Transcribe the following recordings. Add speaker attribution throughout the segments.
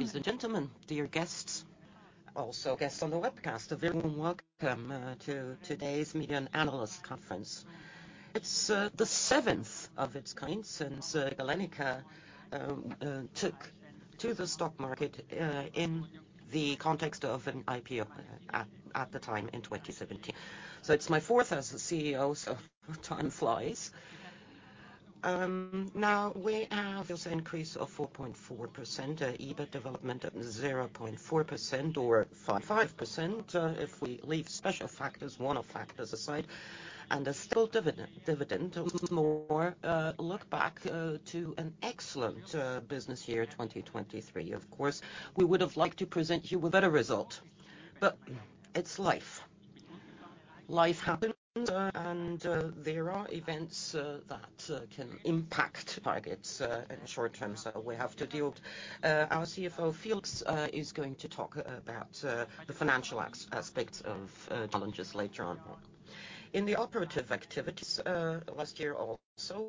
Speaker 1: Ladies and gentlemen, dear guests, also guests on the webcast, a very warm welcome to today's Media and Analyst Conference. It's the seventh of its kind since Galenica took to the stock market in the context of an IPO at the time, in 2017. So it's my fourth as the CEO, so time flies. Now we have this increase of 4.4%, EBIT development of 0.4%, or 5.5%, if we leave special factors, one-off factors aside, and a still dividend, dividend. More look back to an excellent business year, 2023. Of course, we would have liked to present you with better result. But it's life. Life happens, and there are events that can impact targets in the short term, so we have to deal. Our CFO, Felix, is going to talk about the financial aspects of challenges later on. In the operative activities, last year also,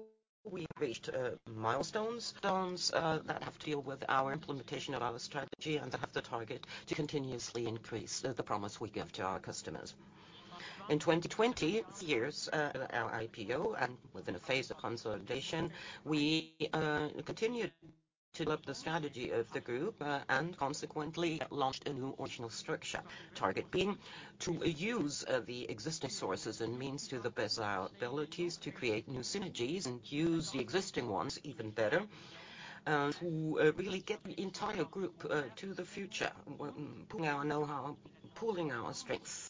Speaker 1: we reached milestones that have to deal with our implementation of our strategy, and they have the target to continuously increase the promise we give to our customers. In 2020, our IPO and within a phase of consolidation, we continued to develop the strategy of the group, and consequently launched a new organizational structure. Target being to use the existing sources and means to the best of our abilities to create new synergies and use the existing ones even better, to really get the entire group to the future. Pooling our know-how, pooling our strengths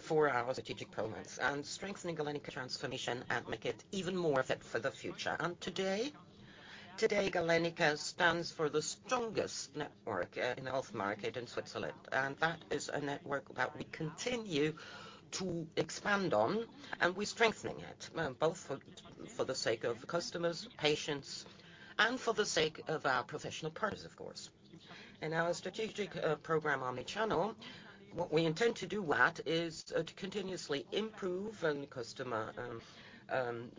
Speaker 1: for our strategic programs, and strengthening Galenica transformation, and make it even more fit for the future. And today, today, Galenica stands for the strongest network in the health market in Switzerland, and that is a network that we continue to expand on, and we're strengthening it both for the sake of customers, patients, and for the sake of our professional partners, of course. In our strategic program, Omnichannel, what we intend to do with that, is, to continuously improve on the customer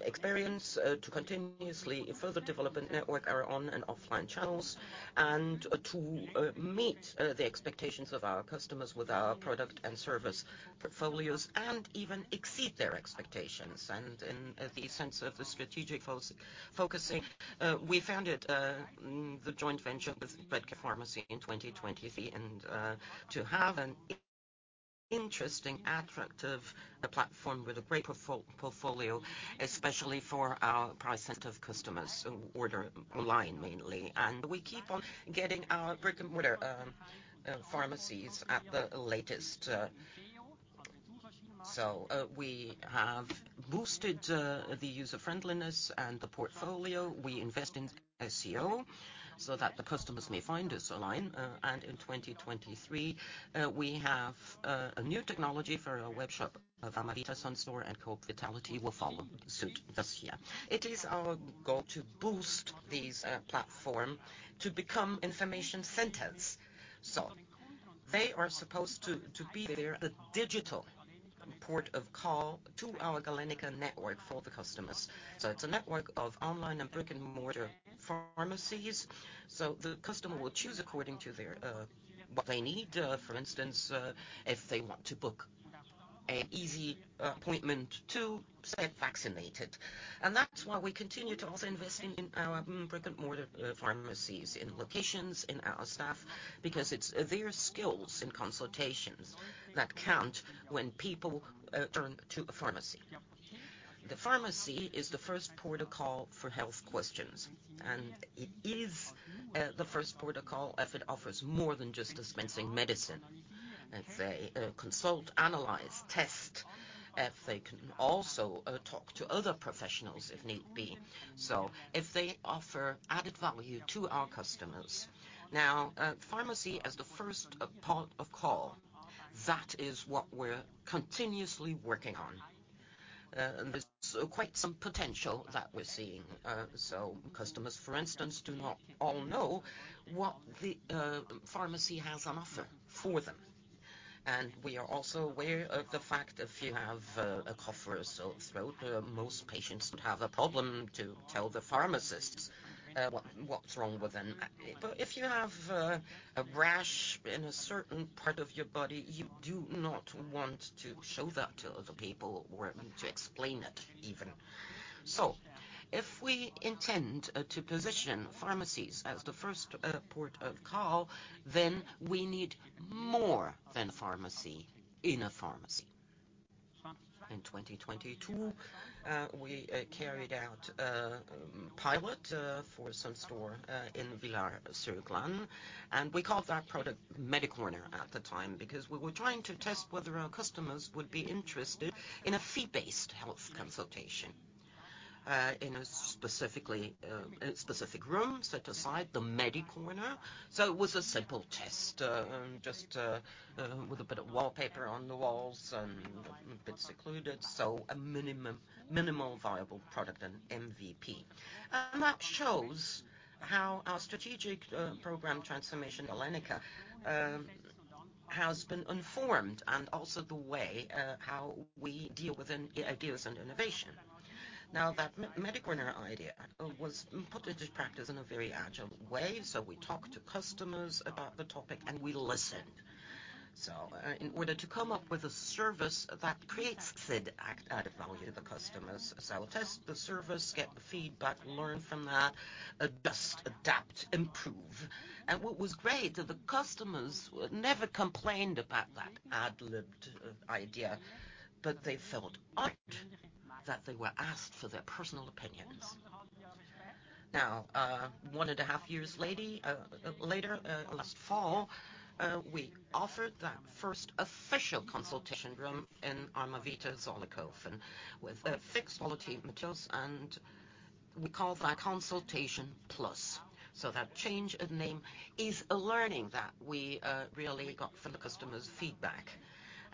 Speaker 1: experience, to continuously further develop and network our online and offline channels, and, to meet the expectations of our customers with our product and service portfolios, and even exceed their expectations. In the sense of the strategic focusing, we founded the joint venture with Redcare Pharmacy in 2023, and to have an interesting attractive platform with a great portfolio, especially for our price-sensitive customers who order online mainly. We keep on getting our brick-and-mortar pharmacies at the latest. So, we have boosted the user friendliness and the portfolio. We invest in SEO so that the customers may find us online. And in 2023, we have a new technology for our webshop of Amavita, Sun Store, and Coop Vitality will follow suit this year. It is our goal to boost these platform to become information centers. So they are supposed to be there, the digital port of call to our Galenica network for the customers. So it's a network of online and brick-and-mortar pharmacies. So the customer will choose according to their what they need, for instance, if they want to book an easy appointment to get vaccinated. And that's why we continue to also invest in our brick-and-mortar pharmacies, in locations, in our staff, because it's their skills and consultations that count when people turn to a pharmacy. The pharmacy is the first port of call for health questions, and it is the first port of call if it offers more than just dispensing medicine. If they consult, analyze, test, if they can also talk to other professionals, if need be. So if they offer added value to our customers. Now, pharmacy as the first port of call, that is what we're continuously working on. And there's quite some potential that we're seeing. So customers, for instance, do not all know what the pharmacy has on offer for them. And we are also aware of the fact, if you have a cough or a sore throat, most patients would have a problem to tell the pharmacists what, what's wrong with them. But if you have a rash in a certain part of your body, you do not want to show that to other people or to explain it, even. So if we intend to position pharmacies as the first port of call, then we need more than pharmacy in a pharmacy. In 2022, we carried out a pilot for some store in Villars-sur-Glâne, and we called that project Medi Corner at the time, because we were trying to test whether our customers would be interested in a fee-based health consultation in a specific room set aside the Medi Corner. So it was a simple test just with a bit of wallpaper on the walls and a bit secluded, so a minimal viable product, an MVP. That shows how our strategic program transformation, Galenica, has been informed, and also the way how we deal with new ideas and innovation. Now, that MediCorner idea was put into practice in a very agile way, so we talked to customers about the topic, and we listened. So, in order to come up with a service that creates good added value to the customers. So test the service, get the feedback, learn from that, adjust, adapt, improve. And what was great, that the customers never complained about that ad libbed idea, but they felt honored that they were asked for their personal opinions. Now, one and a half years later, last fall, we offered that first official consultation room in Amavita Zollikofen, with fixed quality materials, and we call that Consultation Plus. So that change of name is a learning that we really got from the customers' feedback.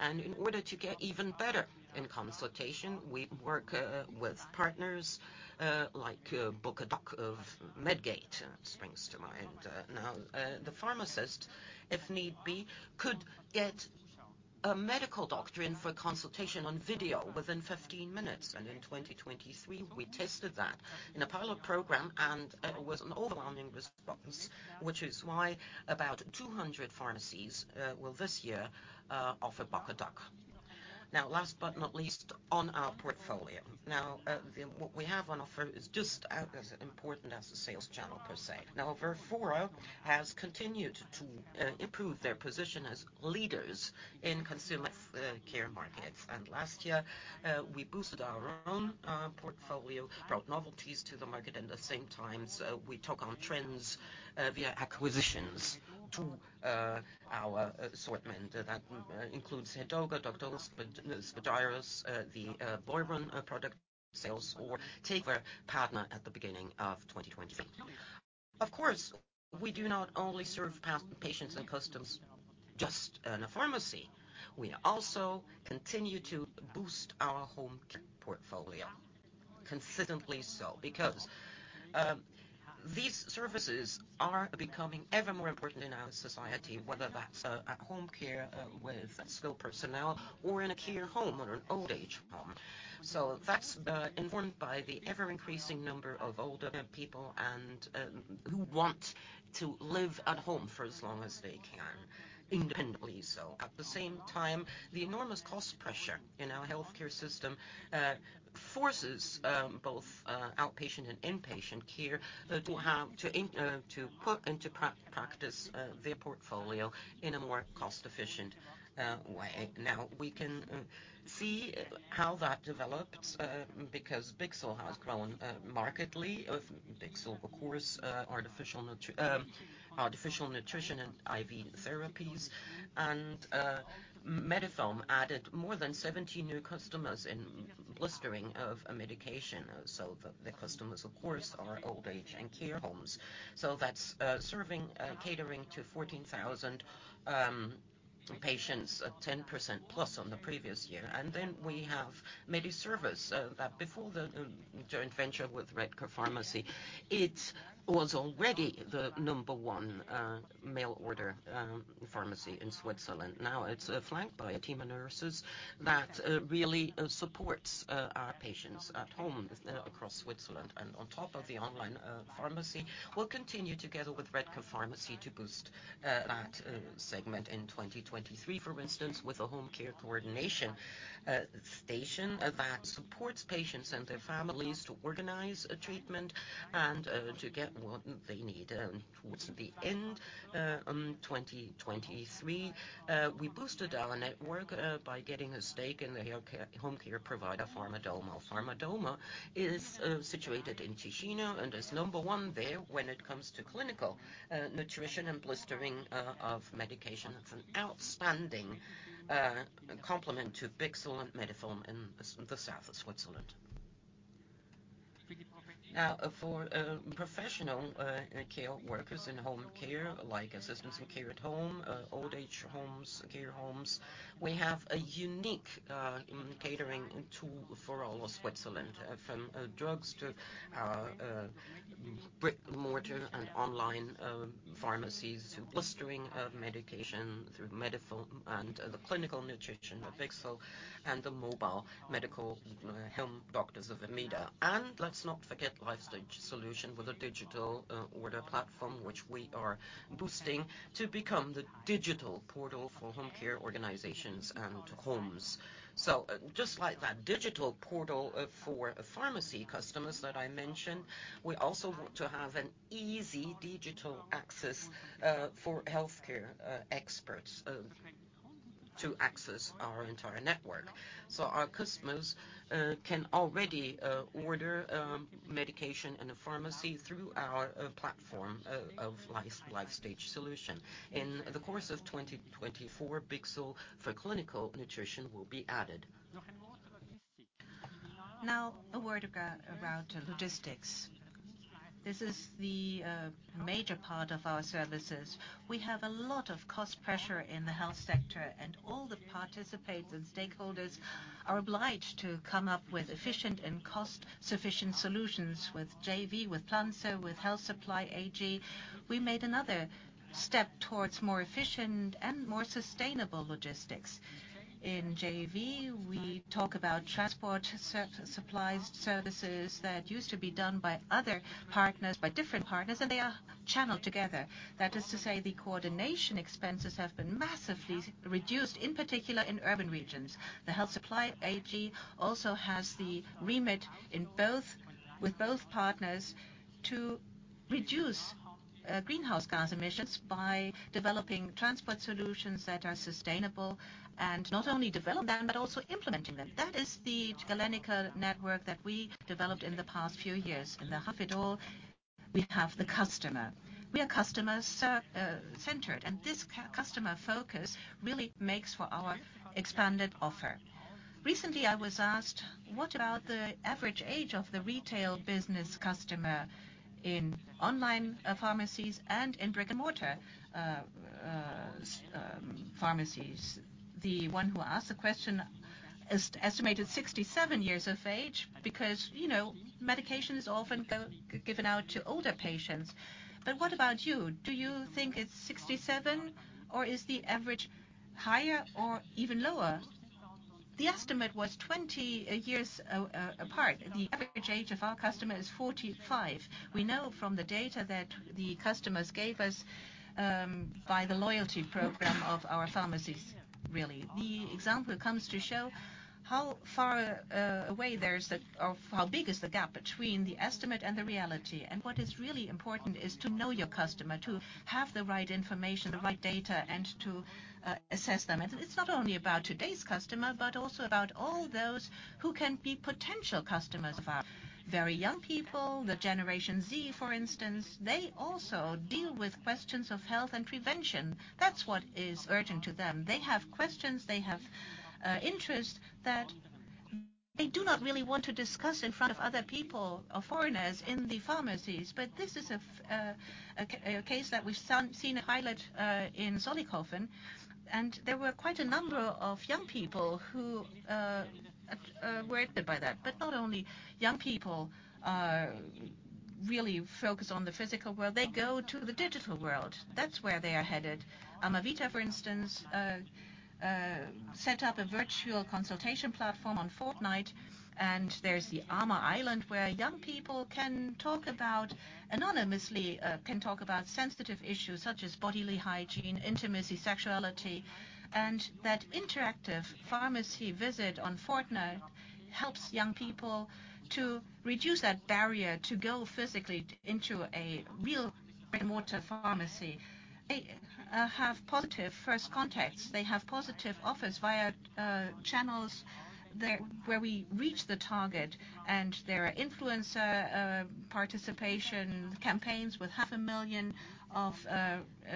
Speaker 1: In order to get even better in consultation, we work with partners, like Book a Doc of Medgate, springs to mind. The pharmacist, if need be, could get a medical doctor in for a consultation on video within 15 minutes. In 2023, we tested that in a pilot program, and it was an overwhelming response, which is why about 200 pharmacies this year offer Book a Doc. Last but not least, on our portfolio. What we have on offer is just as important as the sales channel per se. VERFORA has continued to improve their position as leaders in consumer care markets. Last year, we boosted our own portfolio, brought novelties to the market, and at the same time, we took on trends via acquisitions to our assortment. That includes Hedoga, Doctutus, Spagyros, the Boiron product sales, or take our partner at the beginning of 2023. Of course, we do not only serve patients and customers just in a pharmacy, we also continue to boost our home care portfolio. Consistently so, because these services are becoming ever more important in our society, whether that's at home care with skilled personnel, or in a care home or an old age home. So that's informed by the ever-increasing number of older people and who want to live at home for as long as they can, independently so. At the same time, the enormous cost pressure in our healthcare system forces both outpatient and inpatient care to have to put into practice their portfolio in a more cost-efficient way. Now, we can see how that develops, because Bichsel has grown markedly. Of Bichsel, of course, artificial nutrition and IV therapies, and Medifilm added more than 70 new customers in blistering of medication. So the customers, of course, are old age and care homes. So that's serving, catering to 14,000 patients, at 10%+ on the previous year. And then we have MediService, that before the joint venture with Redcare Pharmacy, it was already the number one mail-order pharmacy in Switzerland. Now, it's flanked by a team of nurses that really supports our patients at home across Switzerland. On top of the online pharmacy, we'll continue together with Redcare Pharmacy to boost that segment in 2023. For instance, with a home care coordination station that supports patients and their families to organize a treatment and to get what they need. Towards the end 2023, we boosted our network by getting a stake in the healthcare home care provider, Pharmadoma. Pharmadoma is situated in Ticino and is number one there when it comes to clinical nutrition and blistering of medication. It's an outstanding complement to Bichsel and Medifilm in the south of Switzerland. Now, for professional care workers in home care, like assistance in care at home, old age homes, care homes, we have a unique catering tool for all of Switzerland. From drugs to brick, mortar, and online pharmacies, to blistering of medication through Medifilm and the clinical nutrition of Bichsel, and the mobile medical home doctors of Amida. And let's not forget Lifestage Solutions with a digital order platform, which we are boosting to become the digital portal for home care organizations and homes. So, just like that digital portal for pharmacy customers that I mentioned, we also want to have an easy digital access for healthcare experts to access our entire network. So our customers can already order medication in a pharmacy through our platform of Lifestage Solution. In the course of 2024, Bichsel for clinical nutrition will be added.
Speaker 2: Now, a word around logistics. This is the major part of our services. We have a lot of cost pressure in the health sector and participate and stakeholders are obliged to come up with efficient and cost-sufficient solutions. With JV, with Planzer, with Health Supply AG, we made another step towards more efficient and more sustainable logistics. In JV, we talk about transport supplies services that used to be done by other partners, by different partners, and they are channeled together. That is to say, the coordination expenses have been massively reduced, in particular in urban regions. The Health Supply AG also has the remit in both with both partners, to reduce greenhouse gas emissions by developing transport solutions that are sustainable, and not only develop them, but also implementing them. That is the Galenica network that we developed in the past few years. In the hub of it all, we have the customer. We are customer centered, and this customer focus really makes for our expanded offer. Recently, I was asked: "What about the average age of the retail business customer in online pharmacies and in brick-and-mortar pharmacies? The one who asked the question estimated 67 years of age, because, you know, medications often given out to older patients. But what about you? Do you think it's 67, or is the average higher or even lower? The estimate was 20 years apart. The average age of our customer is 45. We know from the data that the customers gave us by the loyalty program of our pharmacies, really. The example comes to show how far away there's the or how big is the gap between the estimate and the reality. And what is really important is to know your customer, to have the right information, the right data, and to assess them. It's not only about today's customer, but also about all those who can be potential customers of our very young people, the Generation Z, for instance. They also deal with questions of health and prevention. That's what is urgent to them. They have questions, they have interests that they do not really want to discuss in front of other people or foreigners in the pharmacies. But this is a case that we've seen a pilot in Zollikofen, and there were quite a number of young people who were aided by that. But not only young people are really focused on the physical world, they go to the digital world. That's where they are headed. Amavita, for instance, set up a virtual consultation platform on Fortnite, and there's the Ama Island, where young people can talk about, anonymously, can talk about sensitive issues such as bodily hygiene, intimacy, sexuality. That interactive pharmacy visit on Fortnite helps young people to reduce that barrier to go physically into a real brick-and-mortar pharmacy. They have positive first contacts. They have positive offers via channels there, where we reach the target, and there are influencer participation campaigns with half a million of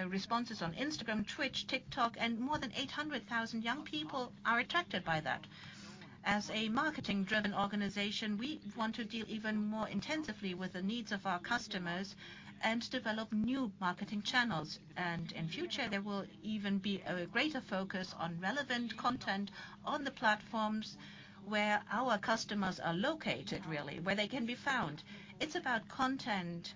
Speaker 2: responses on Instagram, Twitch, TikTok, and more than 800,000 young people are attracted by that. As a marketing-driven organization, we want to deal even more intensively with the needs of our customers and develop new marketing channels. In future, there will even be a greater focus on relevant content on the platforms where our customers are located, really, where they can be found. It's about content,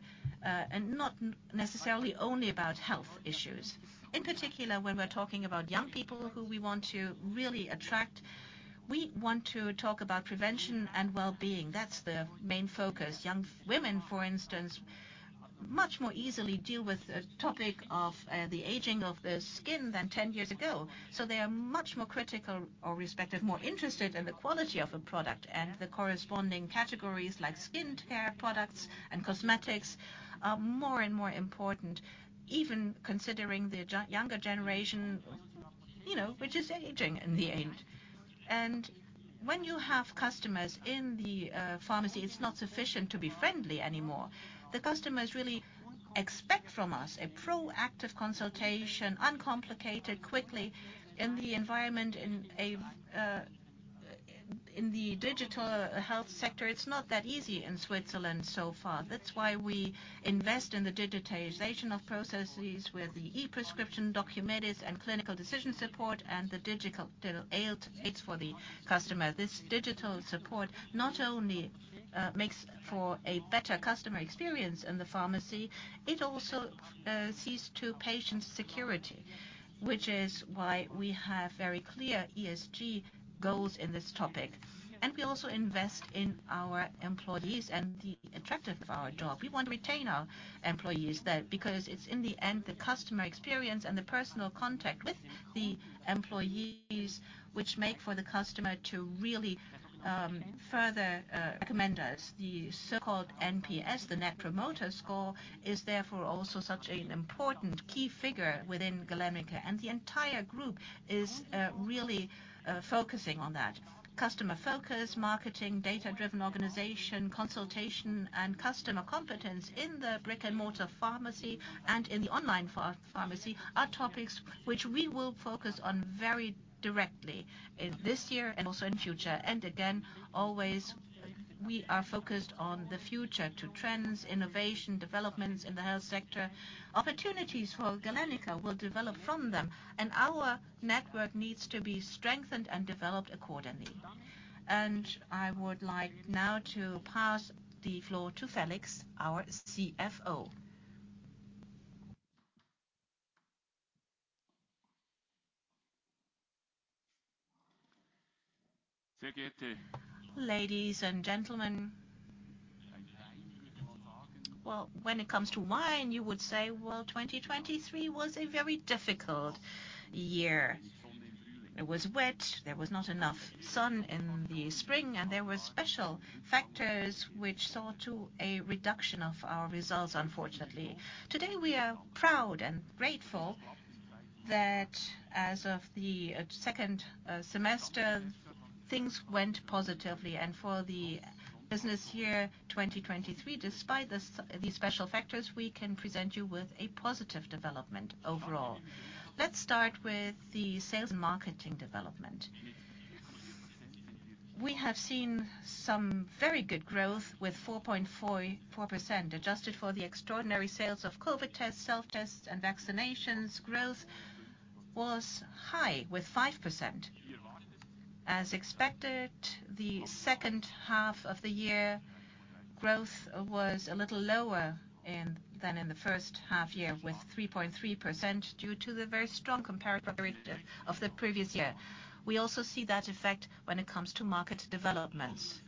Speaker 2: and not necessarily only about health issues. In particular, when we're talking about young people who we want to really attract, we want to talk about prevention and well-being. That's the main focus. Young women, for instance, much more easily deal with the topic of the aging of the skin than 10 years ago. So they are much more critical or respective, more interested in the quality of a product and the corresponding categories, like skin care products and cosmetics, are more and more important, even considering the younger generation, you know, which is aging in the end. And when you have customers in the pharmacy, it's not sufficient to be friendly anymore. The customers really expect from us a proactive consultation, uncomplicated, quickly, in the environment in the digital health sector. It's not that easy in Switzerland so far. That's why we invest in the digitization of processes with the e-prescription, Documedis, and clinical decision support, and the digital aids for the customer. This digital support not only makes for a better customer experience in the pharmacy, it also sees to patient security, which is why we have very clear ESG goals in this topic. And we also invest in our employees and the attractiveness of our job. We want to retain our employees there, because it's in the end, the customer experience and the personal contact with the employees, which make for the customer to really further recommend us. The so-called NPS, the Net Promoter Score, is therefore also such an important key figure within Galenica, and the entire group is really focusing on that. Customer focus, marketing, data-driven organization, consultation, and customer competence in the brick-and-mortar pharmacy and in the online pharmacy, are topics which we will focus on very directly. This year and also in future, and again, always we are focused on the future to trends, innovation, developments in the health sector. Opportunities for Galenica will develop from them, and our network needs to be strengthened and developed accordingly. I would like now to pass the floor to Felix, our CFO. Ladies and gentlemen, well, when it comes to wine, you would say, "Well, 2023 was a very difficult year." It was wet, there was not enough sun in the spring, and there were special factors which saw to a reduction of our results, unfortunately. Today, we are proud and grateful that as of the second semester, things went positively, and for the business year 2023, despite these special factors, we can present you with a positive development overall. Let's start with the sales and marketing development. We have seen some very good growth with 4.44%, adjusted for the extraordinary sales of COVID tests, self tests and vaccinations. Growth was high, with 5%. As expected, the second half of the year, growth was a little lower than in the first half year, with 3.3%, due to the very strong comparative of the previous year. We also see that effect when it comes to market developments.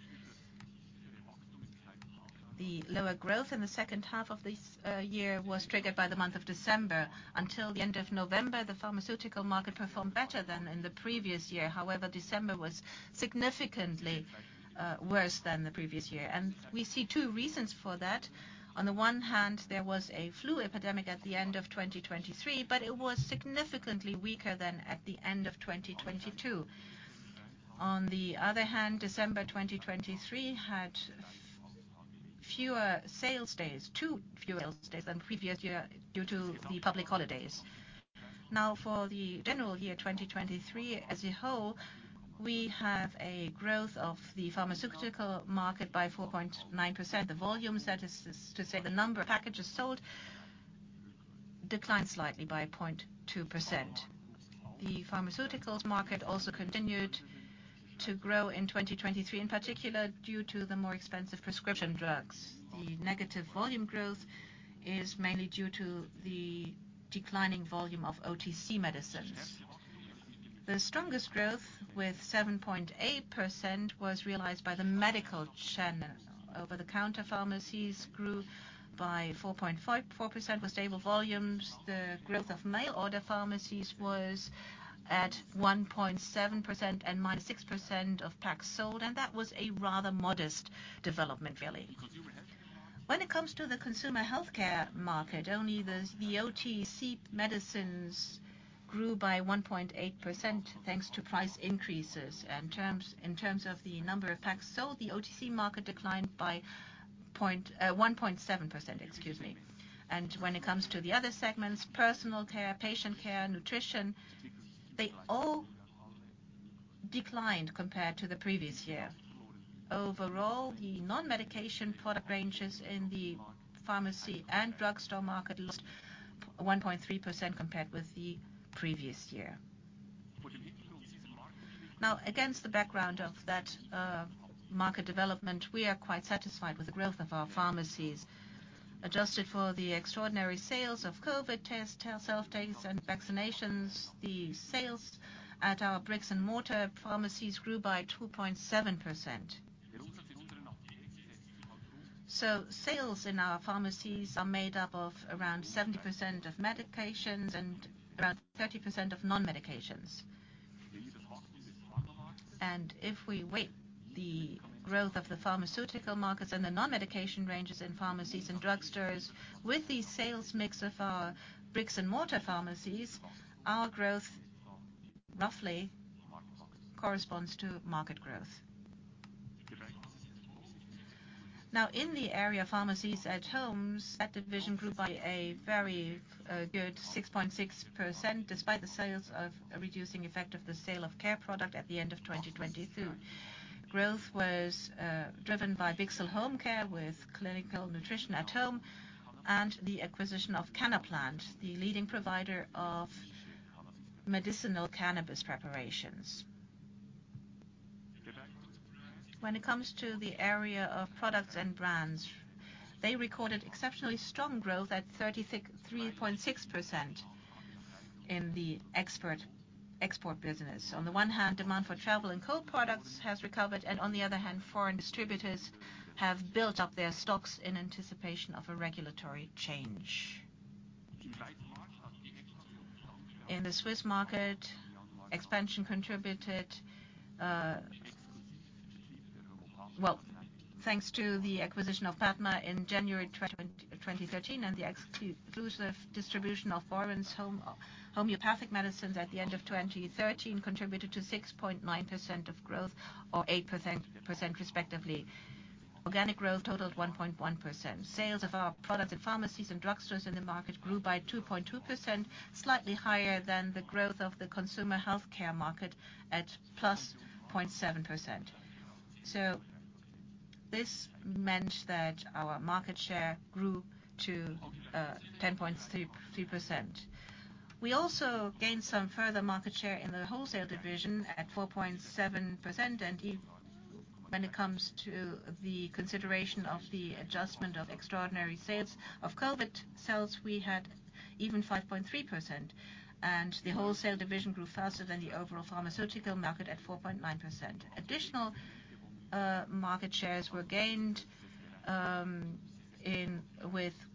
Speaker 2: The lower growth in the second half of this year was triggered by the month of December. Until the end of November, the pharmaceutical market performed better than in the previous year. However, December was significantly worse than the previous year, and we see two reasons for that. On the one hand, there was a flu epidemic at the end of 2023, but it was significantly weaker than at the end of 2022. On the other hand, December 2023 had fewer sales days, two fewer sales days than the previous year due to the public holidays. Now, for the general year 2023 as a whole, we have a growth of the pharmaceutical market by 4.9%. The volume statistics, to say the number of packages sold, declined slightly by 0.2%. The pharmaceuticals market also continued to grow in 2023, in particular, due to the more expensive prescription drugs. The negative volume growth is mainly due to the declining volume of OTC medicines. The strongest growth, with 7.8%, was realized by the medical channel. Over-the-counter pharmacies grew by 4.54% with stable volumes. The growth of mail order pharmacies was at 1.7% and -6% of packs sold, and that was a rather modest development, really. When it comes to the consumer healthcare market, only the OTC medicines grew by 1.8%, thanks to price increases. In terms of the number of packs sold, the OTC market declined by 1.7%, excuse me. When it comes to the other segments, personal care, patient care, nutrition, they all declined compared to the previous year. Overall, the non-medication product ranges in the pharmacy and drugstore market lost 1.3% compared with the previous year. Now, against the background of that market development, we are quite satisfied with the growth of our pharmacies. Adjusted for the extraordinary sales of COVID tests, self tests and vaccinations, the sales at our bricks-and-mortar pharmacies grew by 2.7%. So sales in our pharmacies are made up of around 70% of medications and around 30% of non-medications. And if we weigh the growth of the pharmaceutical markets and the non-medication ranges in pharmacies and drugstores with the sales mix of our bricks-and-mortar pharmacies, our growth roughly corresponds to market growth. Now, in the area pharmacies at homes, that division grew by a very good 6.6%, despite the sales of a reducing effect of the sale of care product at the end of 2022. Growth was driven by Bichsel HomeCare with clinical nutrition at home and the acquisition of Cannaplant, the leading provider of medicinal cannabis preparations. When it comes to the area of products and brands, they recorded exceptionally strong growth at 33.6% in the export business. On the one hand, demand for travel and cold products has recovered, and on the other hand, foreign distributors have built up their stocks in anticipation of a regulatory change. In the Swiss market, expansion contributed thanks to the acquisition of PADMA in January 2013, and the exclusive distribution of Boiron's homeopathic medicines at the end of 2013 contributed to 6.9% of growth or 8%, respectively. Organic growth totaled 1.1%. Sales of our products in pharmacies and drugstores in the market grew by 2.2%, slightly higher than the growth of the consumer healthcare market at +0.7%. So this meant that our market share grew to 10.3%. We also gained some further market share in the wholesale division at 4.7%, and when it comes to the consideration of the adjustment of extraordinary sales of COVID sales, we had even 5.3%. The wholesale division grew faster than the overall pharmaceutical market at 4.9%. Additional market shares were gained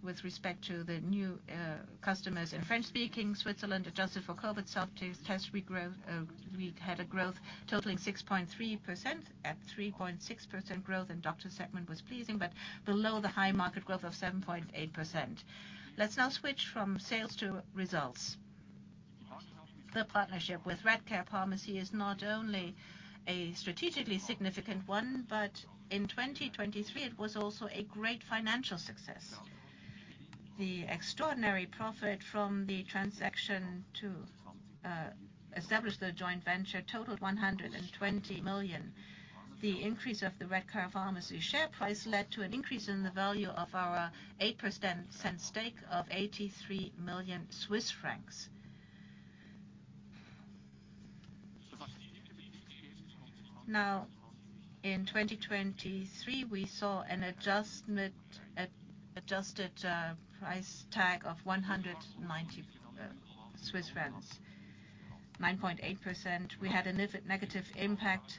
Speaker 2: with respect to the new customers in French-speaking Switzerland, adjusted for COVID test revenue growth, we had a growth totaling 6.3%. A 3.6% growth in doctor segment was pleasing, but below the high market growth of 7.8%. Let's now switch from sales to results. The partnership with Redcare Pharmacy is not only a strategically significant one, but in 2023, it was also a great financial success. The extraordinary profit from the transaction to establish the joint venture totaled 120 million. The increase of the Redcare Pharmacy share price led to an increase in the value of our 8% stake of 83 million Swiss francs. Now, in 2023, we saw an adjustment at adjusted price tag of CHF 190, 9.8%. We had a negative impact.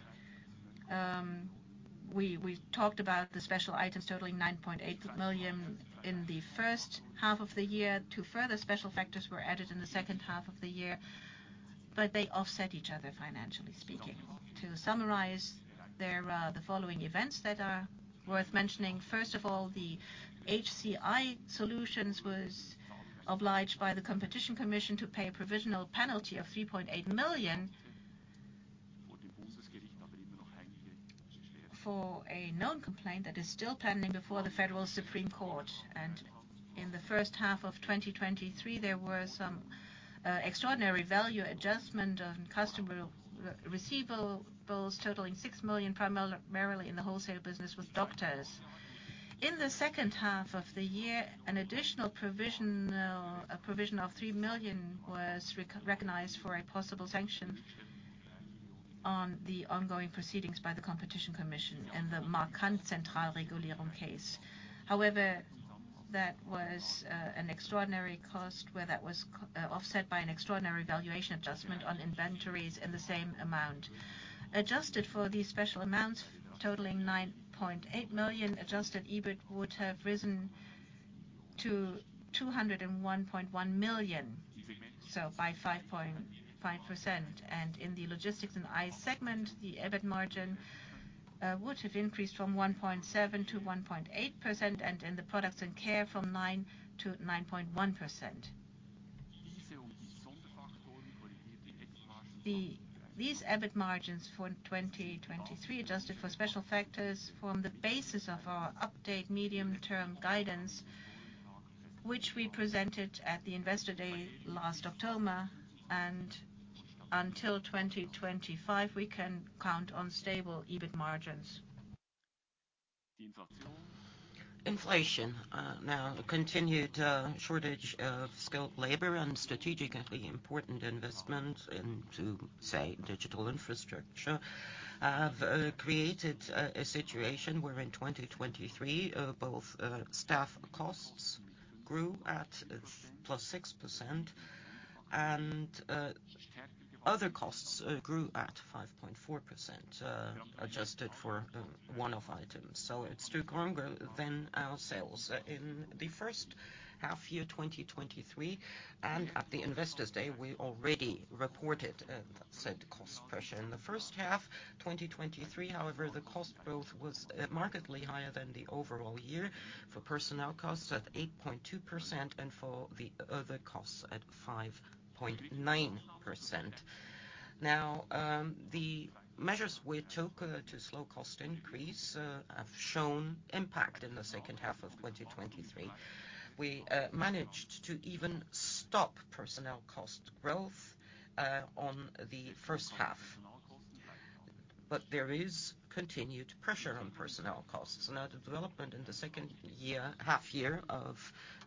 Speaker 2: We talked about the special items totaling 9.8 million in the first half of the year. Two further special factors were added in the second half of the year, but they offset each other financially speaking. To summarize, there are the following events that are worth mentioning. First of all, the HCI Solutions was obliged by the Competition Commission to pay a provisional penalty of 3.8 million for a known complaint that is still pending before the Federal Supreme Court. In the first half of 2023, there were some extraordinary value adjustments on customer receivables totaling 6 million, primarily in the wholesale business with doctors. In the second half of the year, an additional provision of 3 million was recognized for a possible sanction on the ongoing proceedings by the Competition Commission in the [Zentralregulierung] case. However, that was an extraordinary cost, where that was offset by an extraordinary valuation adjustment on inventories in the same amount. Adjusted for these special amounts, totaling 9.8 million, adjusted EBIT would have risen to 201.1 million, so by 5.5%. In the logistics and iSegment, the EBIT margin would have increased from 1.7% to 1.8%, and in the products and care from 9% to 9.1%. These EBIT margins for 2023, adjusted for special factors, form the basis of our updated medium-term guidance, which we presented at the Investor Day last October. Until 2025, we can count on stable EBIT margins.
Speaker 1: Inflation, now continued, shortage of skilled labor and strategically important investments into, say, digital infrastructure, have created a situation where in 2023, both staff costs grew at +6%, and other costs grew at 5.4%, adjusted for one-off items. So it's stronger than our sales. In the first half year, 2023, and at the Investors Day, we already reported said cost pressure. In the first half 2023, however, the cost growth was markedly higher than the overall year for personnel costs at 8.2% and for the other costs at 5.9%. Now, the measures we took to slow cost increase have shown impact in the second half of 2023. We managed to even stop personnel cost growth on the first half, but there is continued pressure on personnel costs. Now, the development in the second half year of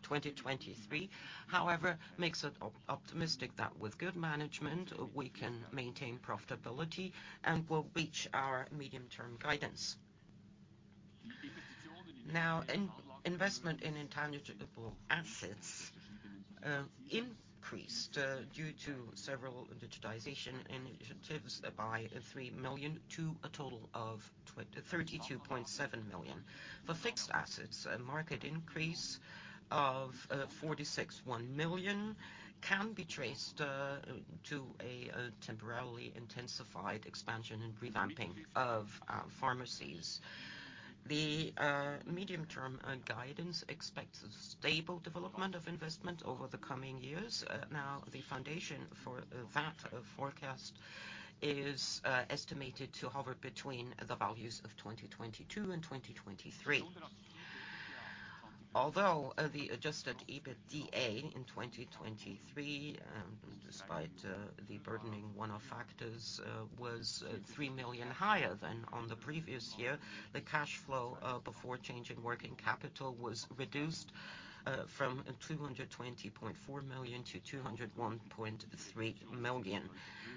Speaker 1: 2023, however, makes it optimistic that with good management, we can maintain profitability and will reach our medium-term guidance. Now, investment in intangible assets increased due to several digitization initiatives by 3 million to a total of 32.7 million. For fixed assets, a net increase of 46.1 million can be traced to a temporarily intensified expansion and revamping of pharmacies. The medium-term guidance expects stable development of investment over the coming years. Now, the foundation for that forecast is estimated to hover between the values of 2022 and 2023. Although the adjusted EBITDA in 2023, despite the burdening one-off factors, was 3 million higher than on the previous year, the cash flow before change in working capital was reduced from 220.4 million to 201.3 million.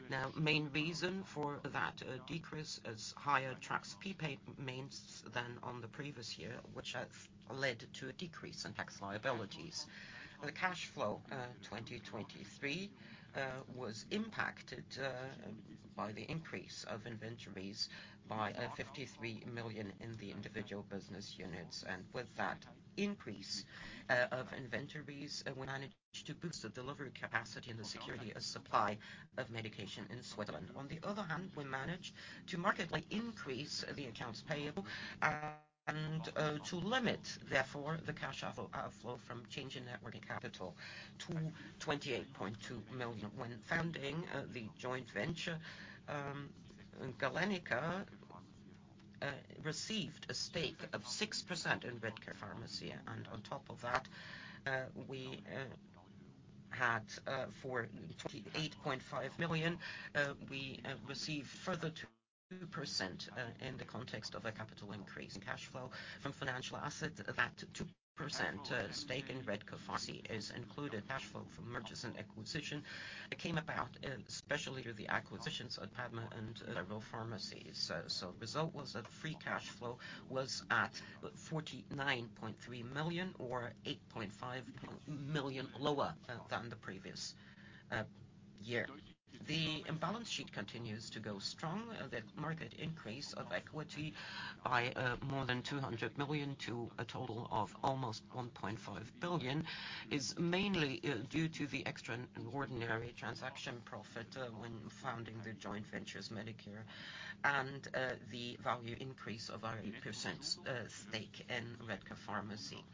Speaker 1: Now, main reason for that decrease is higher tax prepayments than on the previous year, which has led to a decrease in tax liabilities. The cash flow 2023 was impacted by the increase of inventories by 53 million in the individual business units. And with that increase of inventories, we managed to boost the delivery capacity and the security of supply of medication in Switzerland. On the other hand, we managed to markedly increase the accounts payable and, to limit, therefore, the cash outflow from change in net working capital to 28.2 million. When founding the joint venture, Galenica received a stake of 6% in Redcare Pharmacy. And on top of that, we had, for 28.5 million, we received further 2%, in the context of a capital increase in cash flow from financial assets. That 2% stake in Redcare Pharmacy is included. Cash flow from mergers and acquisitions, it came about, especially with the acquisitions of PADMA and several pharmacies. So, result was that free cash flow was at 49.3 million, or 8.5 million lower than the previous year. The balance sheet continues to go strong. The market increase of equity by more than 200 million to a total of almost 1.5 billion is mainly due to the extraordinary transaction profit when founding the joint venture MediService and the value increase of our 8% stake in Redcare Pharmacy.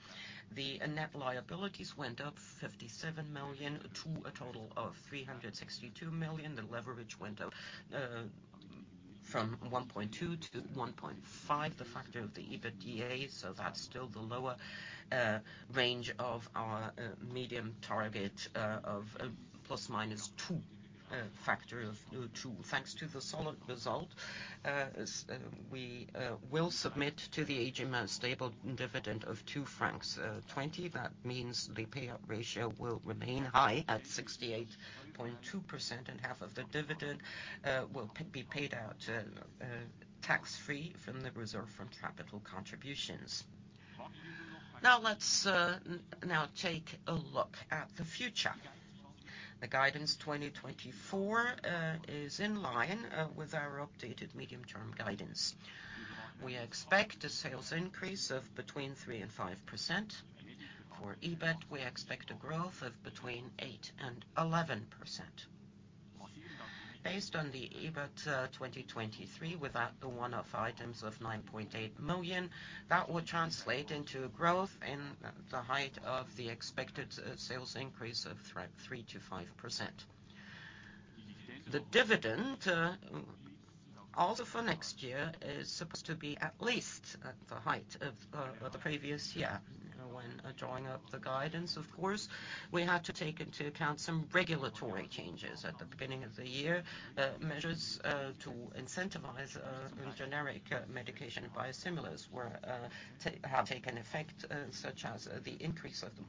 Speaker 1: The net liabilities went up 57 million to a total of 362 million. The leverage went up from 1.2x to 1.5x the EBITDA, so that's still the lower range of our medium target of ±2x. Thanks to the solid result, we will submit to the AGM a stable dividend of 2.20 francs. That means the payout ratio will remain high at 68.2%, and half of the dividend will be paid out tax-free from the reserve from capital contributions. Now, let's now take a look at the future. The guidance 2024 is in line with our updated medium-term guidance. We expect a sales increase of between 3% and 5%. For EBIT, we expect a growth of between 8% and 11%. Based on the EBIT 2023, without the one-off items of 9.8 million, that will translate into growth in the height of the expected sales increase of 3%-5%. The dividend also for next year is supposed to be at least at the height of the previous year. When drawing up the guidance, of course, we had to take into account some regulatory changes at the beginning of the year. Measures to incentivize generic medication and biosimilars have taken effect, such as the increase of the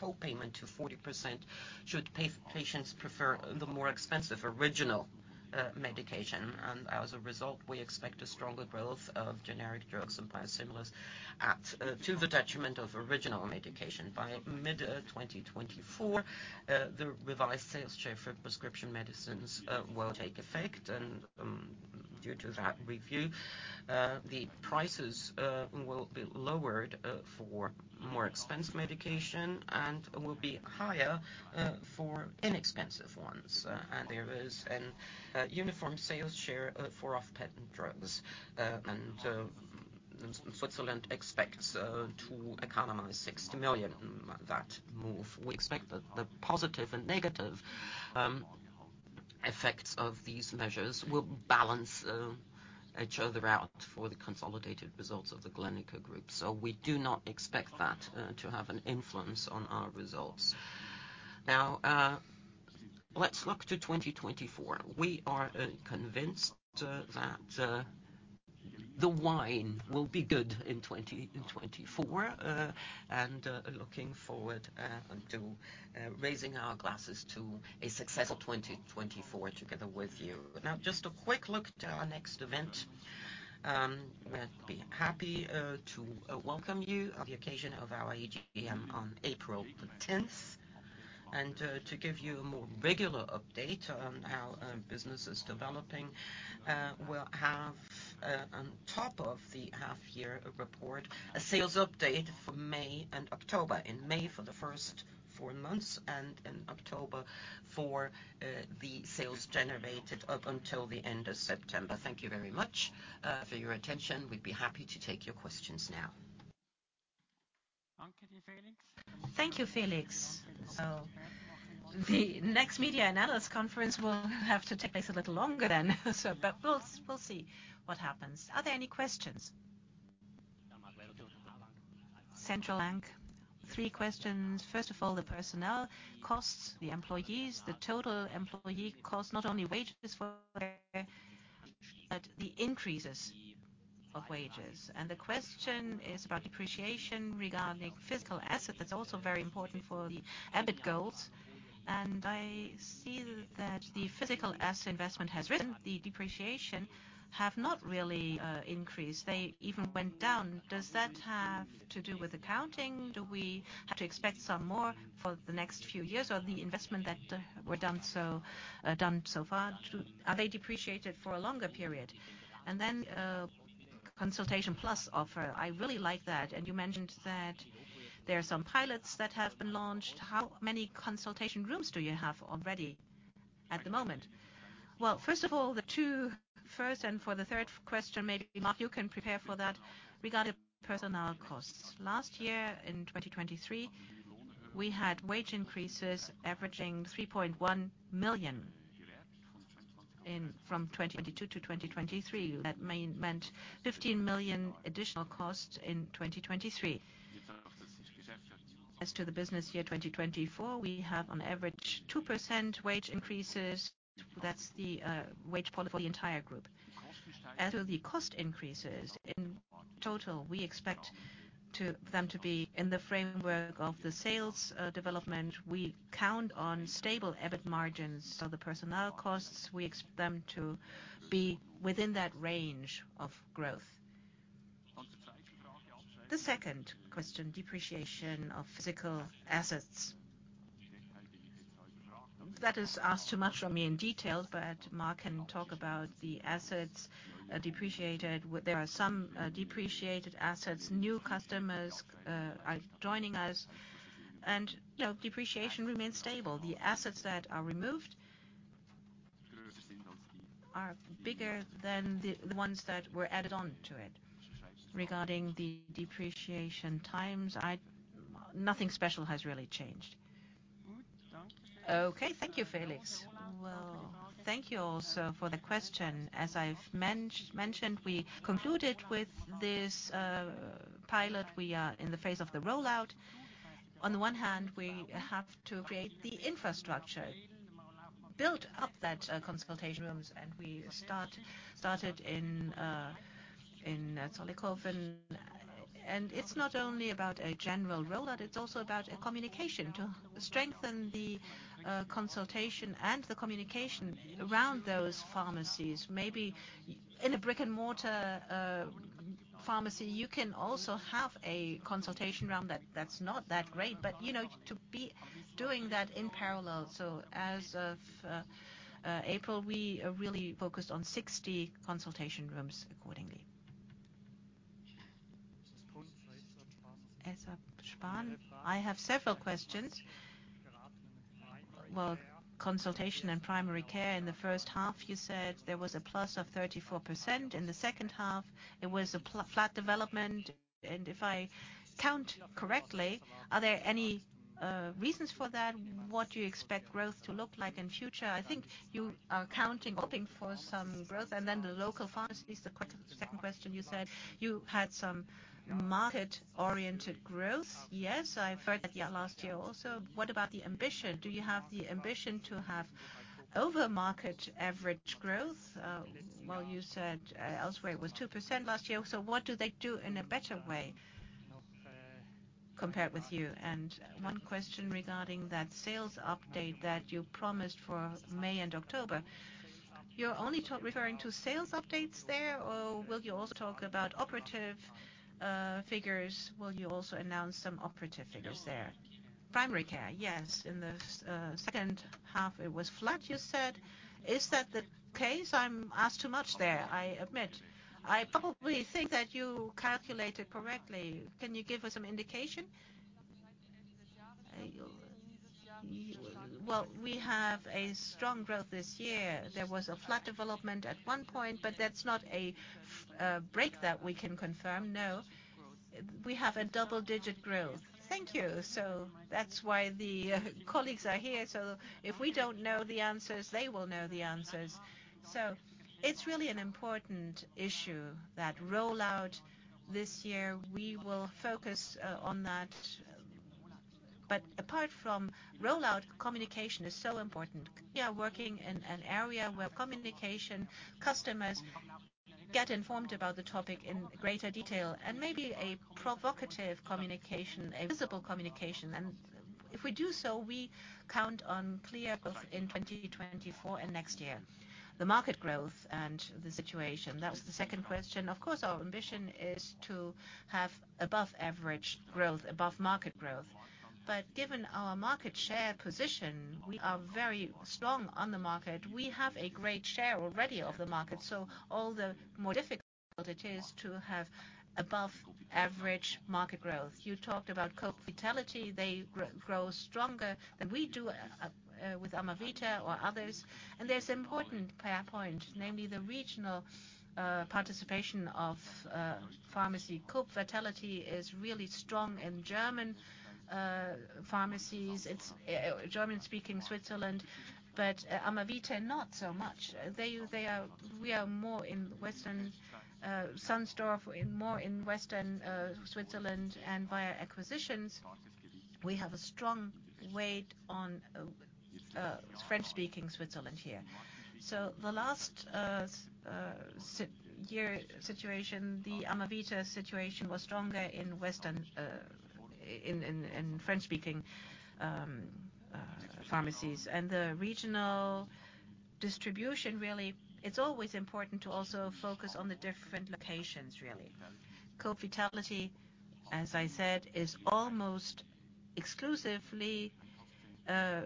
Speaker 1: copayment to 40%, should patients prefer the more expensive original medication. And as a result, we expect a stronger growth of generic drugs and biosimilars at the detriment of original medication. By mid-2024, the revised sales share for prescription medicines will take effect. And due to that review, the prices will be lowered for more expensive medication and will be higher for inexpensive ones. And there is a uniform sales share for off patent drugs. Switzerland expects to economize 60 million in that move. We expect the positive and negative effects of these measures will balance each other out for the consolidated results of the Galenica Group, so we do not expect that to have an influence on our results. Now, let's look to 2024. We are convinced that the wine will be good in 2024, and looking forward to raising our glasses to a successful 2024 together with you. Now, just a quick look to our next event. We'll be happy to welcome you on the occasion of our AGM on April 10. To give you a more regular update on how business is developing, we'll have, on top of the half-year report, a sales update for May and October. In May for the first four months and in October for the sales generated up until the end of September. Thank you very much for your attention. We'd be happy to take your questions now.
Speaker 2: Thank you, Felix. So the next media analysis conference will have to take place a little longer then, so but we'll see what happens. Are there any questions? [Central Bank]. Three questions. First of all, the personnel costs, the employees, the total employee cost, not only wages for, but the increases of wages. And the question is about depreciation regarding physical asset. That's also very important for the EBIT goals. And I see that the physical asset investment has risen, the depreciation have not really increased. They even went down. Does that have to do with accounting? Do we have to expect some more for the next few years or the investment that were done so far, are they depreciated for a longer period? And then, Consultation Plus offer. I really like that, and you mentioned that there are some pilots that have been launched. How many consultation rooms do you have already at the moment? Well, first of all, the two first and for the third question, maybe Marc, you can prepare for that. Regarding personnel costs, last year, in 2023, we had wage increases averaging 3.1 million from 2022 to 2023. That meant 15 million additional costs in 2023. As to the business year 2024, we have on average 2% wage increases. That's the wage for the entire group. As to the cost increases, in total, we expect them to be in the framework of the sales development. We count on stable EBIT margins, so the personnel costs, we expect them to be within that range of growth. The second question, depreciation of physical assets. That is asked too much from me in detail, but Mark can talk about the assets, depreciated. There are some depreciated assets. New customers are joining us, and, you know, depreciation remains stable. The assets that are removed are bigger than the ones that were added on to it. Regarding the depreciation times, nothing special has really changed. Okay, thank you, Felix. Well, thank you also for the question. As I've mentioned, we concluded with this pilot. We are in the phase of the rollout. On the one hand, we have to create the infrastructure, build up that consultation rooms, and we started in Zollikofen. It's not only about a general rollout, it's also about a communication to strengthen the consultation and the communication around those pharmacies. Maybe in a brick-and-mortar pharmacy, you can also have a consultation room that, that's not that great, but, you know, to be doing that in parallel. So as of April, we really focused on 60 consultation rooms accordingly. I have several questions. Well, consultation and primary care in the first half, you said there was a plus of 34%. In the second half, it was a flat development, and if I count correctly, are there any reasons for that? What do you expect growth to look like in future? I think you are counting, hoping for some growth. And then the local pharmacies, the second question, you said you had some market-oriented growth. Yes, I've heard that yeah, last year also. What about the ambition? Do you have the ambition to have over-market average growth? Well, you said, elsewhere it was 2% last year, so what do they do in a better way compared with you? And one question regarding that sales update that you promised for May and October. You're only referring to sales updates there, or will you also talk about operative figures? Will you also announce some operative figures there? Primary care, yes. In the second half, it was flat, you said. Is that the case? I'm asked too much there, I admit. I probably think that you calculated correctly. Can you give us some indication? Well, we have a strong growth this year. There was a flat development at one point, but that's not a break that we can confirm. No, we have a double-digit growth. Thank you. So that's why the colleagues are here. So if we don't know the answers, they will know the answers. So it's really an important issue, that rollout this year. We will focus on that. But apart from rollout, communication is so important. We are working in an area where communication, customers get informed about the topic in greater detail, and maybe a provocative communication, a visible communication. And if we do so, we count on clear growth in 2024 and next year. The market growth and the situation, that was the second question. Of course, our ambition is to have above average growth, above market growth. But given our market share position, we are very strong on the market. We have a great share already of the market, so all the more difficult it is to have above average market growth. You talked about Coop Vitality, they grow, grow stronger than we do, with Amavita or others. And there's important power point, namely, the regional participation of pharmacy. Coop Vitality is really strong in German pharmacies. It's German-speaking Switzerland, but Amavita, not so much. We are more in western Sun Store, in more in western Switzerland, and via acquisitions, we have a strong weight on French-speaking Switzerland here. So the last year situation, the Amavita situation was stronger in western, in French-speaking pharmacies. And the regional distribution, really, it's always important to also focus on the different locations, really. Coop Vitality, as I said, is almost exclusively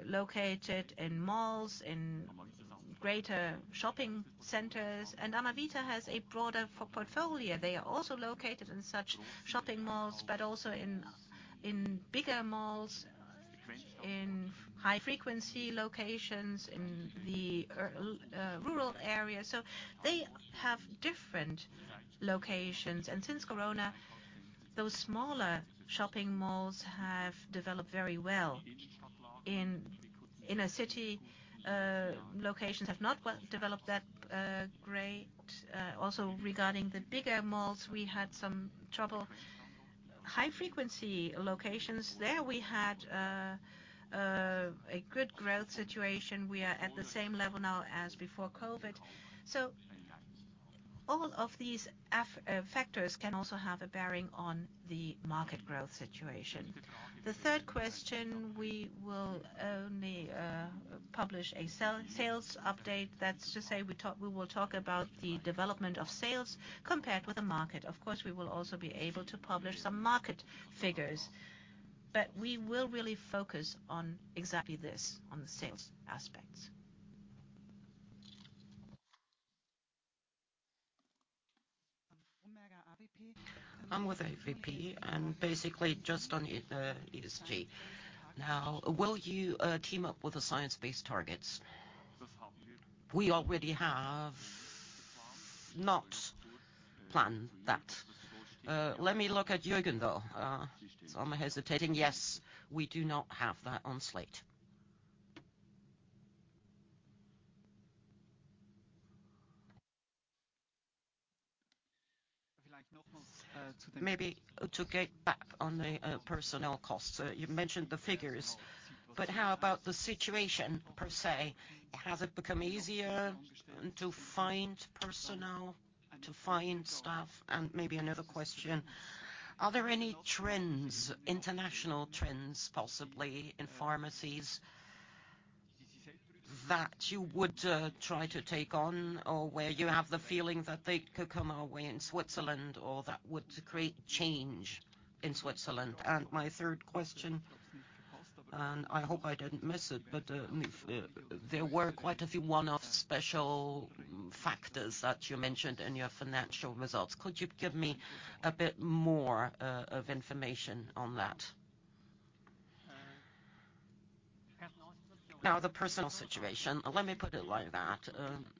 Speaker 2: located in malls, in greater shopping centers, and Amavita has a broader portfolio. They are also located in such shopping malls, but also in bigger malls, in high-frequency locations, in the urban, rural areas. So they have different locations, and since Corona, those smaller shopping malls have developed very well. In a city locations have not well developed that great. Also, regarding the bigger malls, we had some trouble. High-frequency locations, there we had a good growth situation. We are at the same level now as before COVID. So all of these factors can also have a bearing on the market growth situation. The third question, we will only publish a sales update. That's to say, we talk, we will talk about the development of sales compared with the market. Of course, we will also be able to publish some market figures, but we will really focus on exactly this, on the sales aspects.
Speaker 1: I'm with AFP, and basically just on ESG. Now, will you team up with the science-based targets? We already have not planned that. Let me look at Juergen, though. I'm hesitating. Yes, we do not have that on slate. Maybe to get back on the personnel costs. You mentioned the figures, but how about the situation per se? Has it become easier to find personnel, to find staff? And maybe another question: Are there any trends, international trends, possibly in pharmacies, that you would try to take on, or where you have the feeling that they could come our way in Switzerland or that would create change in Switzerland? And my third question, and I hope I didn't miss it, but there were quite a few one-off special factors that you mentioned in your financial results. Could you give me a bit more of information on that? Now, the personal situation, let me put it like that,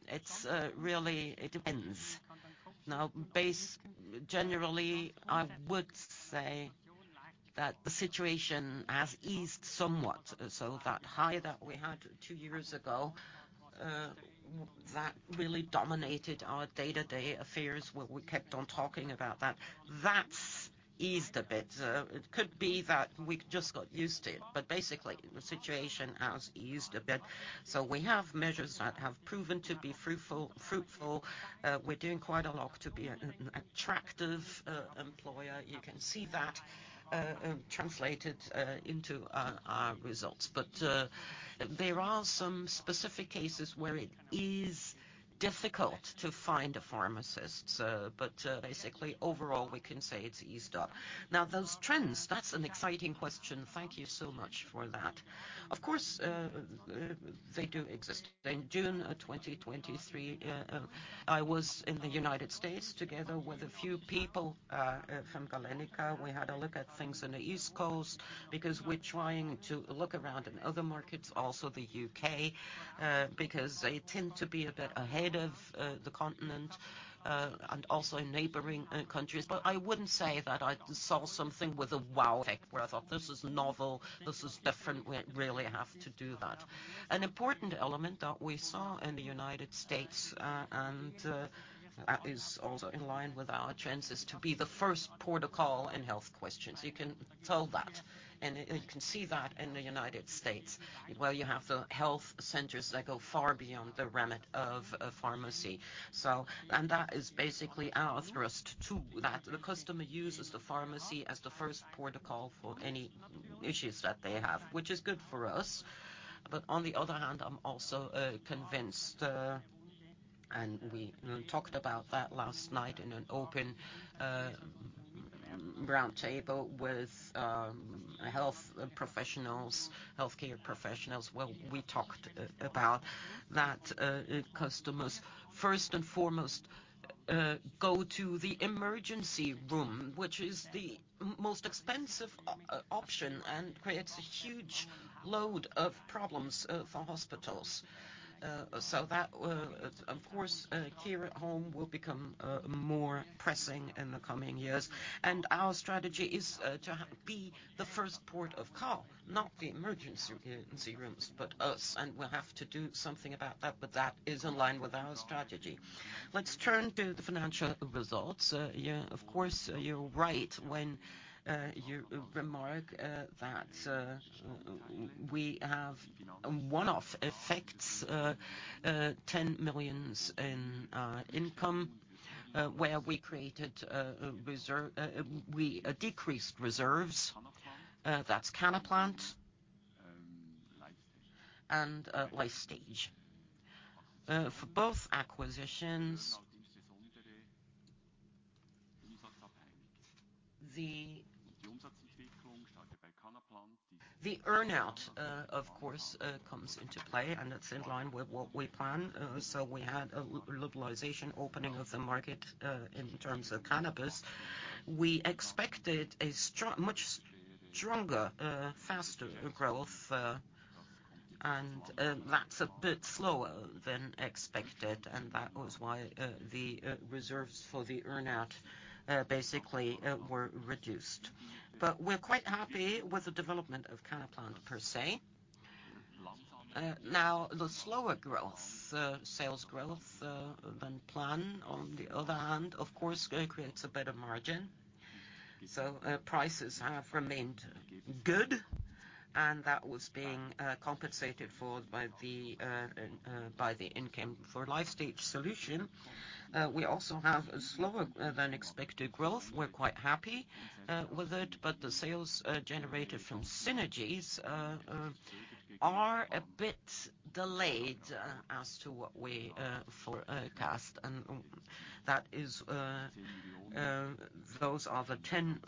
Speaker 1: it's really, it depends. Now, generally, I would say that the situation has eased somewhat. So that high that we had two years ago, that really dominated our day-to-day affairs, where we kept on talking about that, that's eased a bit. It could be that we just got used to it, but basically, the situation has eased a bit. So we have measures that have proven to be fruitful. We're doing quite a lot to be an attractive employer. You can see that translated into our results. But there are some specific cases where it is difficult to find a pharmacist, but basically, overall, we can say it's eased up. Now, those trends, that's an exciting question. Thank you so much for that. Of course, they do exist. In June of 2023, I was in the United States together with a few people from Galenica. We had a look at things on the East Coast, because we're trying to look around in other markets, also the U.K., because they tend to be a bit ahead of the continent, and also in neighboring countries. But I wouldn't say that I saw something with a wow effect, where I thought, "This is novel, this is different. We really have to do that." An important element that we saw in the United States, and that is also in line with our chances to be the first port of call in health questions. You can tell that, and you can see that in the United States, where you have the health centers that go far beyond the remit of a pharmacy. So, and that is basically our thrust, too, that the customer uses the pharmacy as the first port of call for any issues that they have, which is good for us. But on the other hand, I'm also convinced, and we talked about that last night in an open round table with health professionals, healthcare professionals. Well, we talked about that, customers, first and foremost go to the emergency room, which is the most expensive option and creates a huge load of problems for hospitals. So that, of course, here at home, will become more pressing in the coming years. Our strategy is to be the first port of call, not the emergency rooms, but us, and we'll have to do something about that, but that is in line with our strategy. Let's turn to the financial results. Yeah, of course, you're right when you remark that we have one-off effects, 10 million in income, where we created a reserve—we decreased reserves. That's Cannaplant and LifeStage. For both acquisitions, the earn-out, of course, comes into play, and that's in line with what we plan. So we had a legalization opening of the market in terms of cannabis. We expected a much stronger, faster growth, and that's a bit slower than expected, and that was why the reserves for the earn-out basically were reduced. But we're quite happy with the development of Cannaplant per se. Now, the slower growth, sales growth than planned, on the other hand, of course, creates a better margin. So prices have remained good, and that was being compensated for by the income. For Lifestage Solutions, we also have a slower-than-expected growth. We're quite happy with it, but the sales generated from synergies are a bit delayed as to what we forecast, and that is those are the 10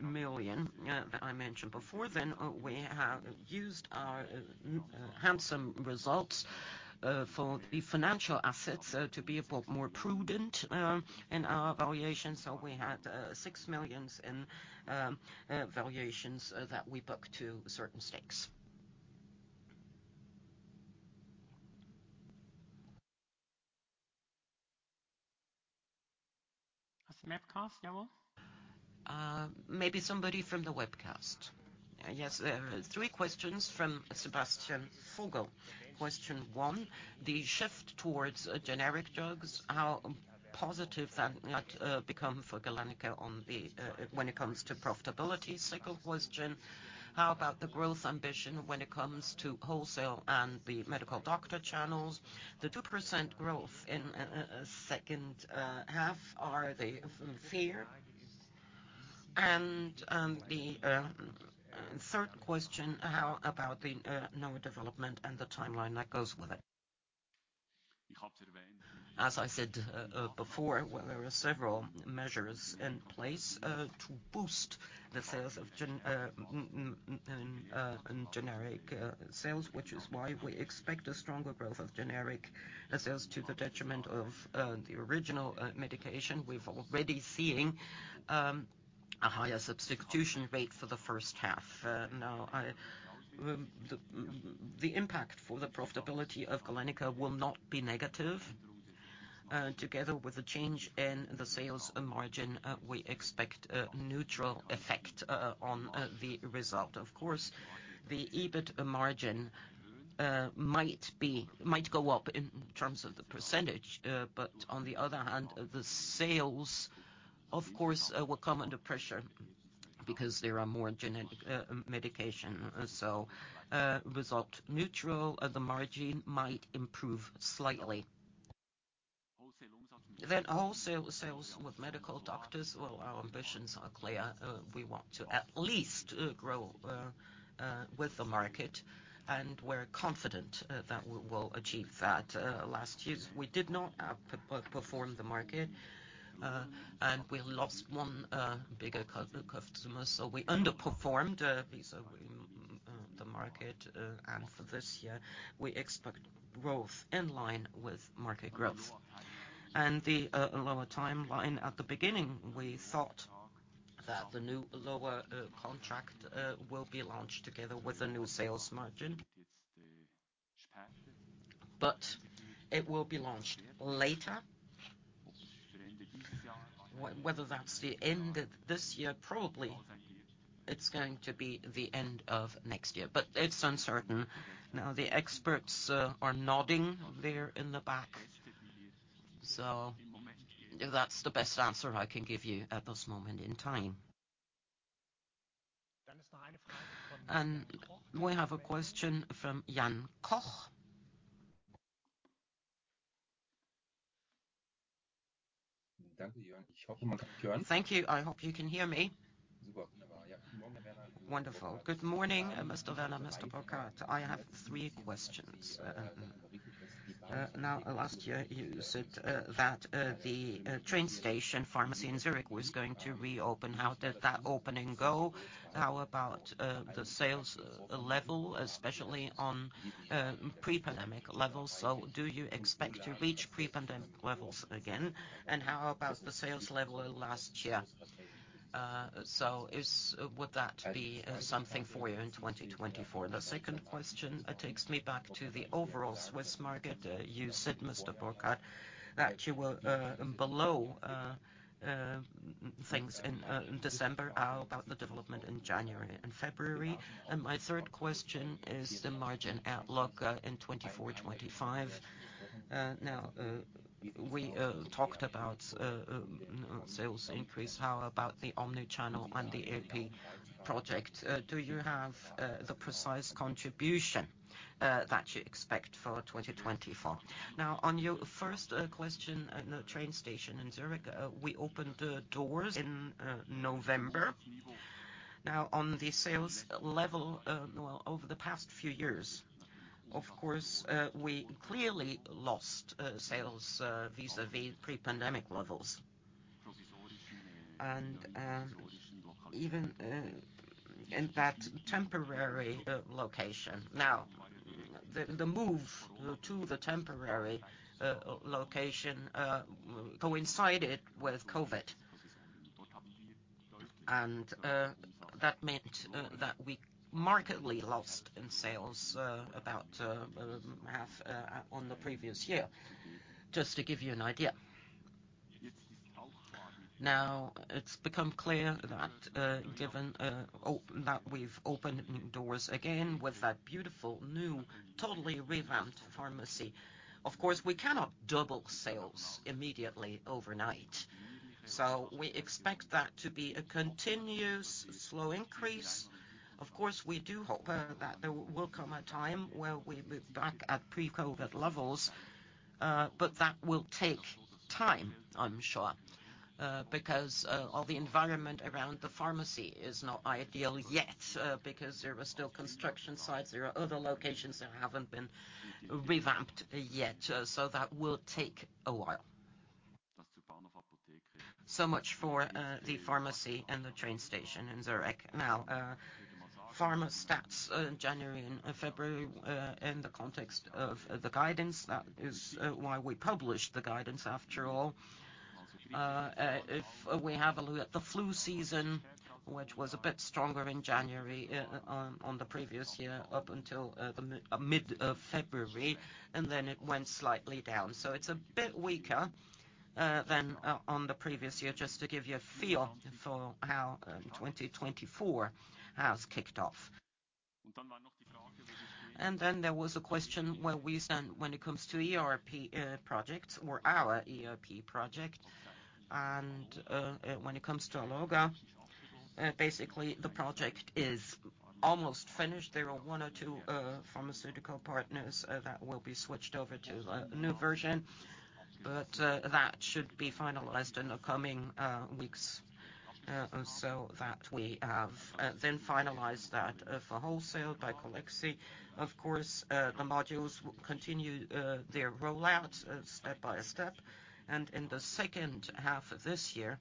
Speaker 1: million that I mentioned before. Then we have used our handsome results for the financial assets to be a lot more prudent in our valuations. So we had 6 million in valuations that we booked to certain stakes. From webcast, Noel? Maybe somebody from the webcast. Yes, there are three questions from Sebastian Fogel. Question one: The shift towards generic drugs, how positive can that become for Galenica on the when it comes to profitability? Second question: How about the growth ambition when it comes to wholesale and the medical doctor channels? The 2% growth in second half, are they fair? And the third question: How about the new development and the timeline that goes with it? As I said before, well, there are several measures in place to boost the sales of generic sales, which is why we expect a stronger growth of generic sales to the detriment of the original medication. We've already seeing a higher substitution rate for the first half. Now, the impact for the profitability of Galenica will not be negative. Together with the change in the sales margin, we expect a neutral effect on the result. Of course, the EBIT margin might go up in terms of the percentage, but on the other hand, the sales, of course, will come under pressure because there are more generic medication. So, result neutral, the margin might improve slightly. Then wholesale sales with medical doctors, well, our ambitions are clear. We want to at least grow with the market, and we're confident that we will achieve that. Last year, we did not outperform the market, and we lost one bigger customer, so we underperformed versus the market. And for this year, we expect growth in line with market growth. The lower timeline, at the beginning, we thought that the new lower contract will be launched together with a new sales margin, but it will be launched later. Whether that's the end of this year, probably it's going to be the end of next year, but it's uncertain. Now, the experts are nodding there in the back. So that's the best answer I can give you at this moment in time. And we have a question from Jan Koch. Thank you. I hope you can hear me. Thank you. I hope you can hear me. Wonderful. Good morning, Mr. Werner, Mr. Burkhard. I have three questions. Now, last year, you said that the train station pharmacy in Zurich was going to reopen. How did that opening go? How about the sales level, especially on pre-pandemic levels, so do you expect to reach pre-pandemic levels again? And how about the sales level of last year? So would that be something for you in 2024? The second question, it takes me back to the overall Swiss market. You said, Mr. Burkhard, that you were below things in December. How about the development in January and February? And my third question is the margin outlook in 2024, 2025. Now, we talked about sales increase. How about the Omnichannel and the AP project? Do you have the precise contribution that you expect for 2024? Now, on your first question on the train station in Zurich, we opened the doors in November. Now, on the sales level, well, over the past few years, of course, we clearly lost sales vis-a-vis pre-pandemic levels. And, even in that temporary location. Now, the move to the temporary location coincided with COVID. And, that meant that we markedly lost in sales about half on the previous year, just to give you an idea. Now, it's become clear that given that we've opened new doors again with that beautiful, new, totally revamped pharmacy. Of course, we cannot double sales immediately overnight. So we expect that to be a continuous slow increase. Of course, we do hope that there will come a time where we'll be back at pre-COVID levels, but that will take time, I'm sure. Because all the environment around the pharmacy is not ideal yet, because there are still construction sites. There are other locations that haven't been revamped yet, so that will take a while. So much for the pharmacy and the train station in Zurich. Now, pharma stats in January and February, in the context of the guidance, that is why we published the guidance, after all. If we have a look at the flu season, which was a bit stronger in January on the previous year, up until the mid of February, and then it went slightly down. So it's a bit weaker than on the previous year, just to give you a feel for how 2024 has kicked off. And then there was a question where we stand when it comes to ERP projects or our ERP project. And when it comes to Alloga, basically, the project is almost finished. There are one or two pharmaceutical partners that will be switched over to the new version, but that should be finalized in the coming weeks. And so that we have then finalized that for wholesale by Galenica. Of course, the modules will continue their rollout step by step. And in the second half of this year,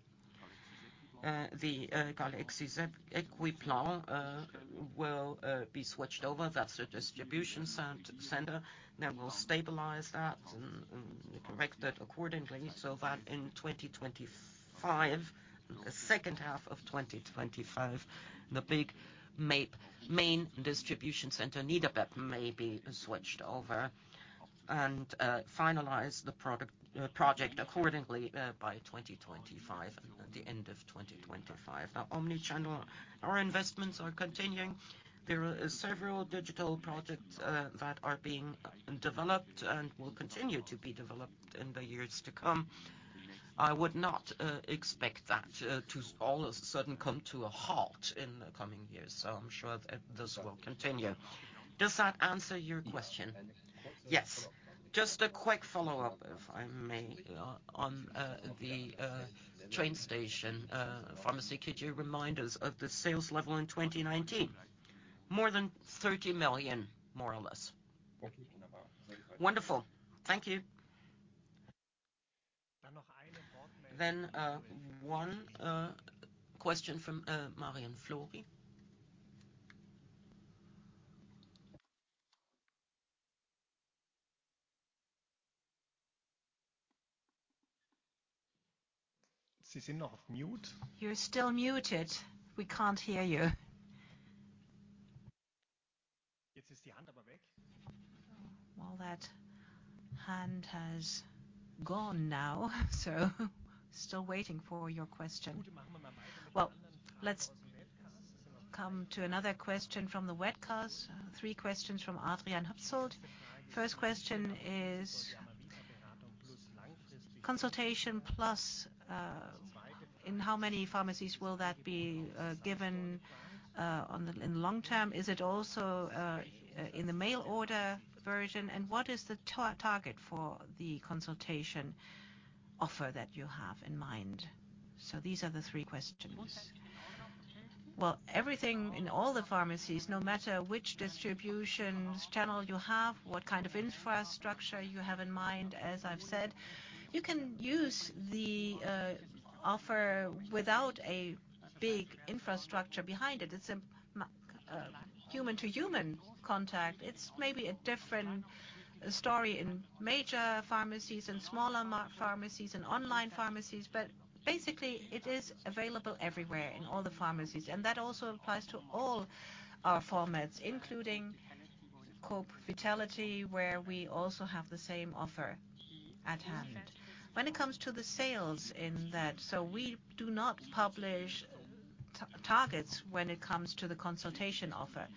Speaker 1: the Galenica Ecublens will be switched over. That's the distribution center. Then we'll stabilize that and correct it accordingly, so that in 2025, the second half of 2025, the main distribution center, Nidau, may be switched over and finalize the product project accordingly, by 2025, the end of 2025. Now, omni-channel, our investments are continuing. There are several digital projects that are being developed and will continue to be developed in the years to come. I would not expect that to all of a sudden come to a halt in the coming years, so I'm sure this will continue. Does that answer your question? Yes. Just a quick follow-up, if I may, on the train station pharmacy. Could you remind us of the sales level in 2019? More than 30 million, more or less. Wonderful. Thank you. One question from Marian Flori.
Speaker 2: You're still muted. We can't hear you. Well, that hand has gone now, so still waiting for your question. Well, let's come to another question from the webcast. Three questions from Adrian Hubsold. First question is Consultation Plus, in how many pharmacies will that be given in the long term? Is it also in the mail order version, and what is the target for the consultation offer that you have in mind? So these are the three questions. Well, everything in all the pharmacies, no matter which distribution channel you have, what kind of infrastructure you have in mind, as I've said, you can use the offer without a big infrastructure behind it. It's a human-to-human contact. It's maybe a different story in major pharmacies and smaller pharmacies and online pharmacies, but basically, it is available everywhere in all the pharmacies. And that also applies to all our formats, including Coop Vitality, where we also have the same offer at hand. When it comes to the sales in that, we do not publish targets when it comes to the consultation offer.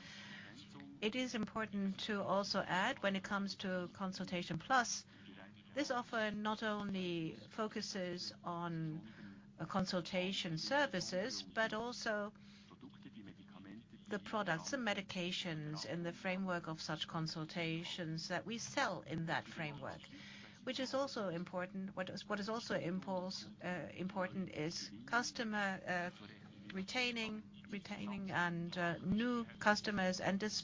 Speaker 2: It is important to also add, when it comes to Consultation Plus, this offer not only focuses on consultation services, but also the products, the medications in the framework of such consultations that we sell in that framework, which is also important. What is also important is customer retaining and new customers. And this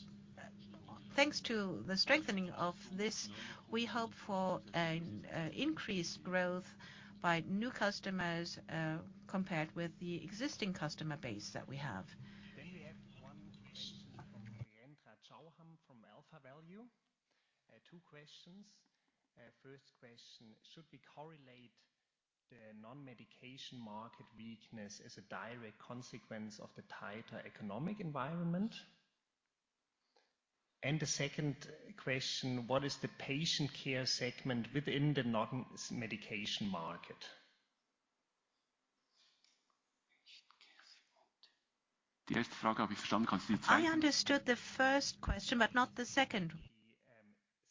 Speaker 2: thanks to the strengthening of this, we hope for an increased growth by new customers compared with the existing customer base that we have.
Speaker 3: Then we have one question from Kendra Chao Ham from AlphaValue. Two questions. First question: Should we correlate the non-medication market weakness as a direct consequence of the tighter economic environment? And the second question: What is the patient care segment within the non-medication market?
Speaker 2: I understood the first question, but not the second.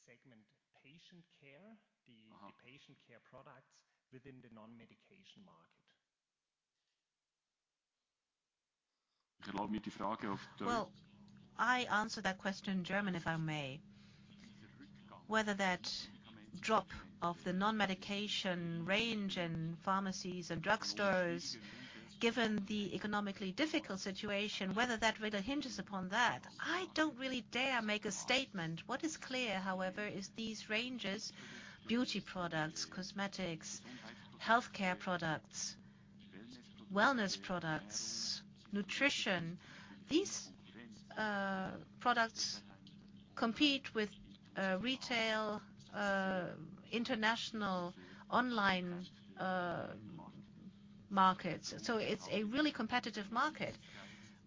Speaker 3: Segment, patient care. The patient care products within the non-medication market.
Speaker 2: Well, I answer that question in German, if I may. Whether that drop of the non-medication range in pharmacies and drugstores, given the economically difficult situation, whether that really hinges upon that, I don't really dare make a statement. What is clear, however, is these ranges, beauty products, cosmetics, healthcare products, wellness products, nutrition, these, products compete with, retail, international, online, markets. So it's a really competitive market,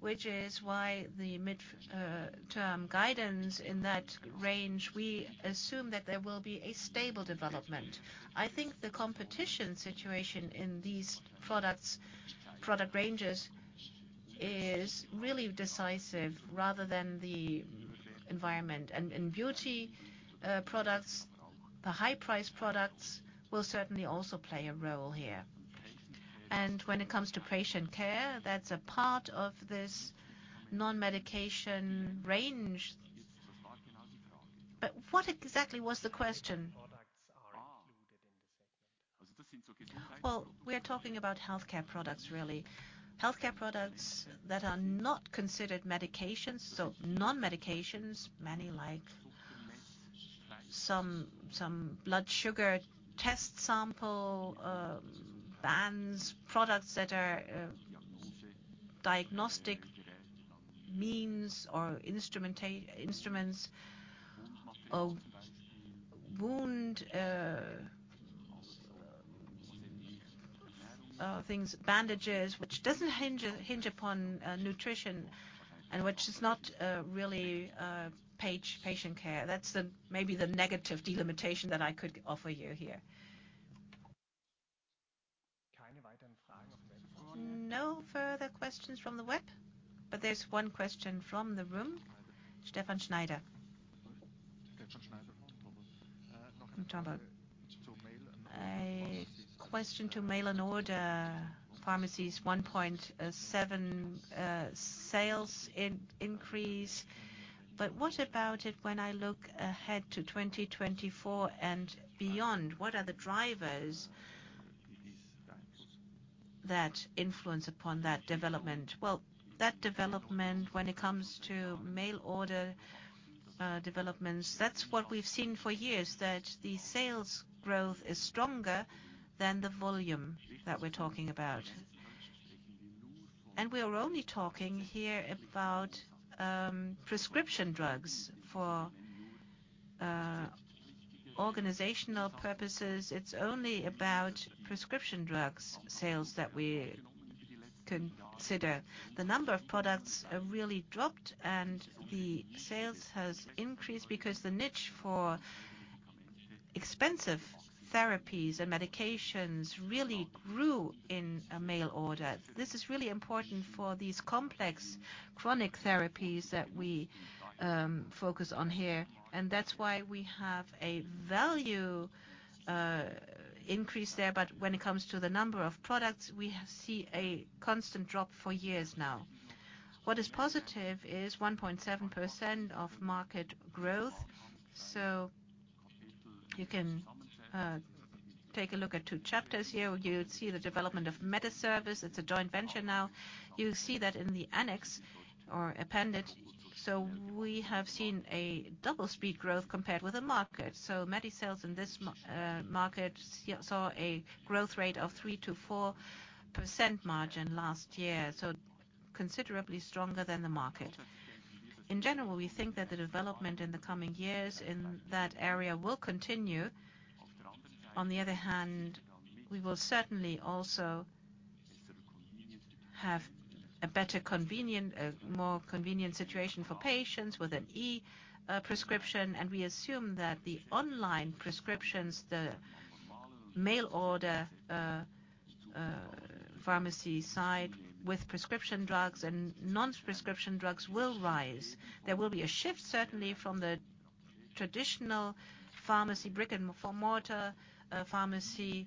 Speaker 2: which is why the mid-term guidance in that range, we assume that there will be a stable development. I think the competition situation in these products, product ranges is really decisive rather than the environment. And in beauty, products, the high price products will certainly also play a role here. And when it comes to patient care, that's a part of this non-medication range. But what exactly was the question?
Speaker 3: Products are included in this segment.
Speaker 2: Well, we are talking about healthcare products, really. Healthcare products that are not considered medications, so non-medications. Many, like some blood sugar test sample bands, products that are diagnostic means, or instruments, or wound things, bandages, which doesn't hinge upon nutrition and which is not really patient care. That's maybe the negative delimitation that I could offer you here. No further questions from the web, but there's one question from the room. Stefan Schneider. A question to mail-order pharmacies, 1.7 sales increase. But what about it when I look ahead to 2024 and beyond? What are the drivers that influence upon that development? Well, that development, when it comes to mail-order developments, that's what we've seen for years, that the sales growth is stronger than the volume that we're talking about. And we are only talking here about prescription drugs. For organizational purposes, it's only about prescription drugs sales that we consider. The number of products have really dropped, and the sales has increased because the niche for expensive therapies and medications really grew in mail-order. This is really important for these complex chronic therapies that we focus on here, and that's why we have a value increase there. But when it comes to the number of products, we have seen a constant drop for years now. What is positive is 1.7% market growth. So you can take a look at two chapters here. You'll see the development of MediService. It's a joint venture now. You'll see that in the annex or appendix. So we have seen a double speed growth compared with the market. So MediService in this market saw a growth rate of 3%-4% margin last year, so considerably stronger than the market. In general, we think that the development in the coming years in that area will continue. On the other hand, we will certainly also have a more convenient situation for patients with an e-prescription. We assume that the online prescriptions, the mail order pharmacy side with prescription drugs and non-prescription drugs will rise. There will be a shift, certainly, from the traditional pharmacy, brick-and-mortar pharmacy,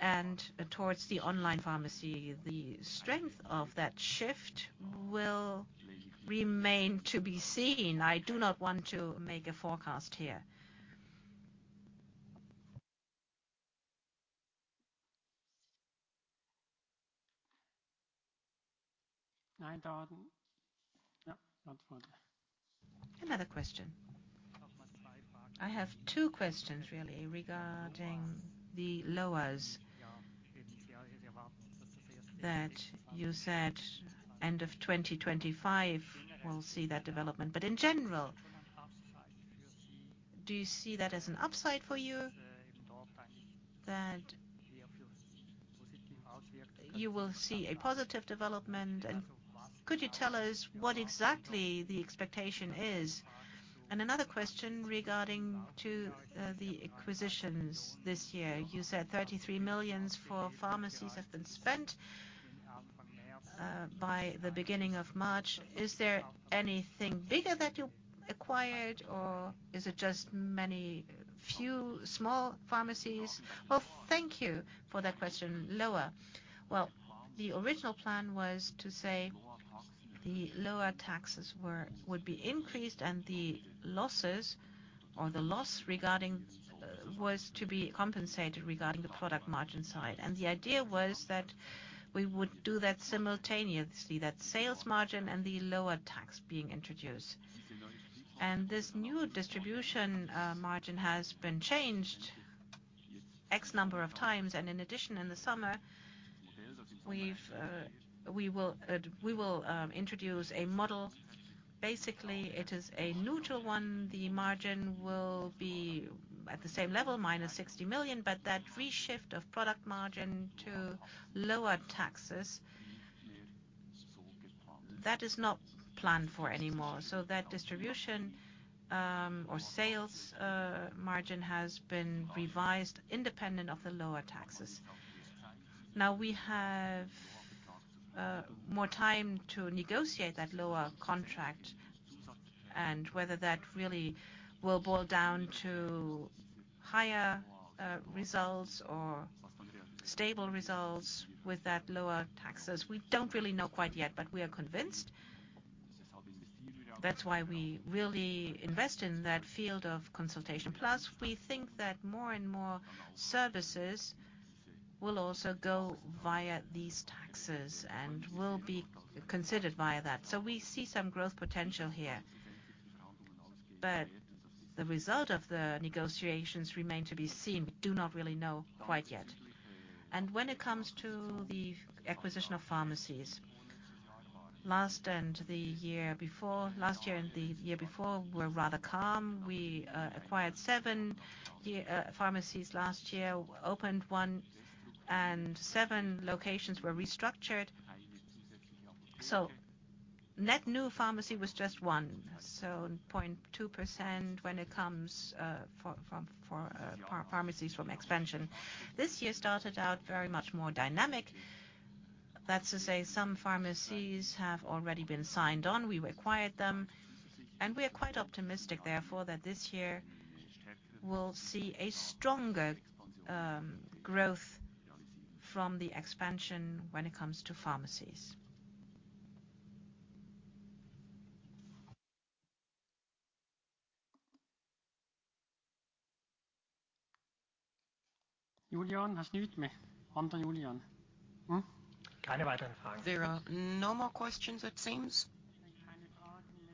Speaker 2: and towards the online pharmacy. The strength of that shift will remain to be seen. I do not want to make a forecast here. Another question. I have two questions really regarding the lowers. That you said end of 2025, we'll see that development. But in general, do you see that as an upside for you? That you will see a positive development, and could you tell us what exactly the expectation is? And another question regarding to the acquisitions this year. You said 33 million for pharmacies have been spent by the beginning of March. Is there anything bigger that you acquired, or is it just many few small pharmacies? Well, thank you for that question, lower. Well, the original plan was to say the lower taxes were would be increased, and the losses or the loss regarding was to be compensated regarding the product margin side. And the idea was that we would do that simultaneously, that sales margin and the lower tax being introduced. And this new distribution margin has been changed X number of times. And in addition, in the summer, we will introduce a model. Basically, it is a neutral one. The margin will be at the same level, -60 million, but that reshift of product margin to lower taxes, that is not planned for anymore. So that distribution or sales margin has been revised independent of the lower taxes. Now we have more time to negotiate that lower contract and whether that really will boil down to higher results or stable results with that lower taxes. We don't really know quite yet, but we are convinced. That's why we really invest in that field of Consultation Plus. We think that more and more services will also go via these taxes and will be considered via that. So we see some growth potential here, but the result of the negotiations remain to be seen. We do not really know quite yet. And when it comes to the acquisition of pharmacies, last year and the year before were rather calm. We acquired seven pharmacies last year, opened one, and seven locations were restructured. So net new pharmacy was just one, so 0.2% when it comes to pharmacies from expansion. This year started out very much more dynamic. That's to say, some pharmacies have already been signed on. We acquired them, and we are quite optimistic, therefore, that this year will see a stronger growth from the expansion when it comes to pharmacies.
Speaker 1: There are no more questions, it seems.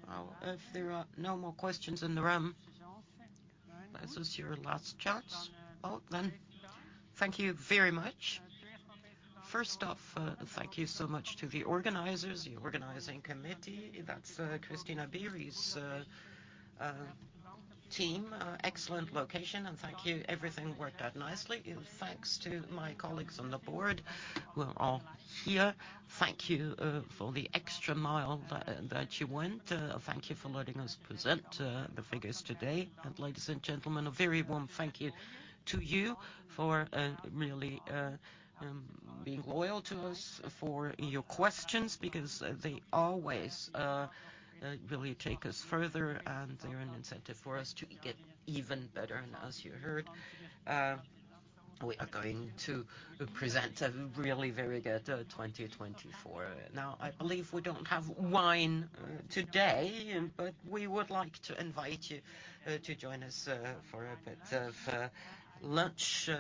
Speaker 1: Well, if there are no more questions in the room, this is your last chance. Well, then, thank you very much. First off, thank you so much to the organizers, the organizing committee. That's Christina Biri's team. Excellent location, and thank you. Everything worked out nicely. In thanks to my colleagues on the board, we're all here. Thank you for the extra mile that you went. Thank you for letting us present the figures today. And ladies and gentlemen, a very warm thank you to you for really being loyal to us, for your questions, because they always really take us further, and they're an incentive for us to get even better. As you heard, we are going to present a really very good 2024. Now, I believe we don't have wine today, and but we would like to invite you to join us for a bit of lunch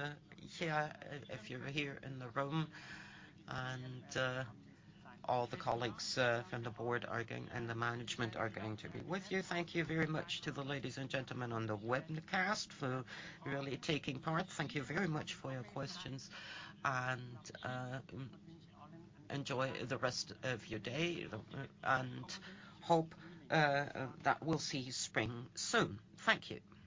Speaker 1: here if you're here in the room. All the colleagues from the board are going, and the management are going to be with you. Thank you very much to the ladies and gentlemen on the webcast for really taking part. Thank you very much for your questions, and enjoy the rest of your day and hope that we'll see you spring soon. Thank you.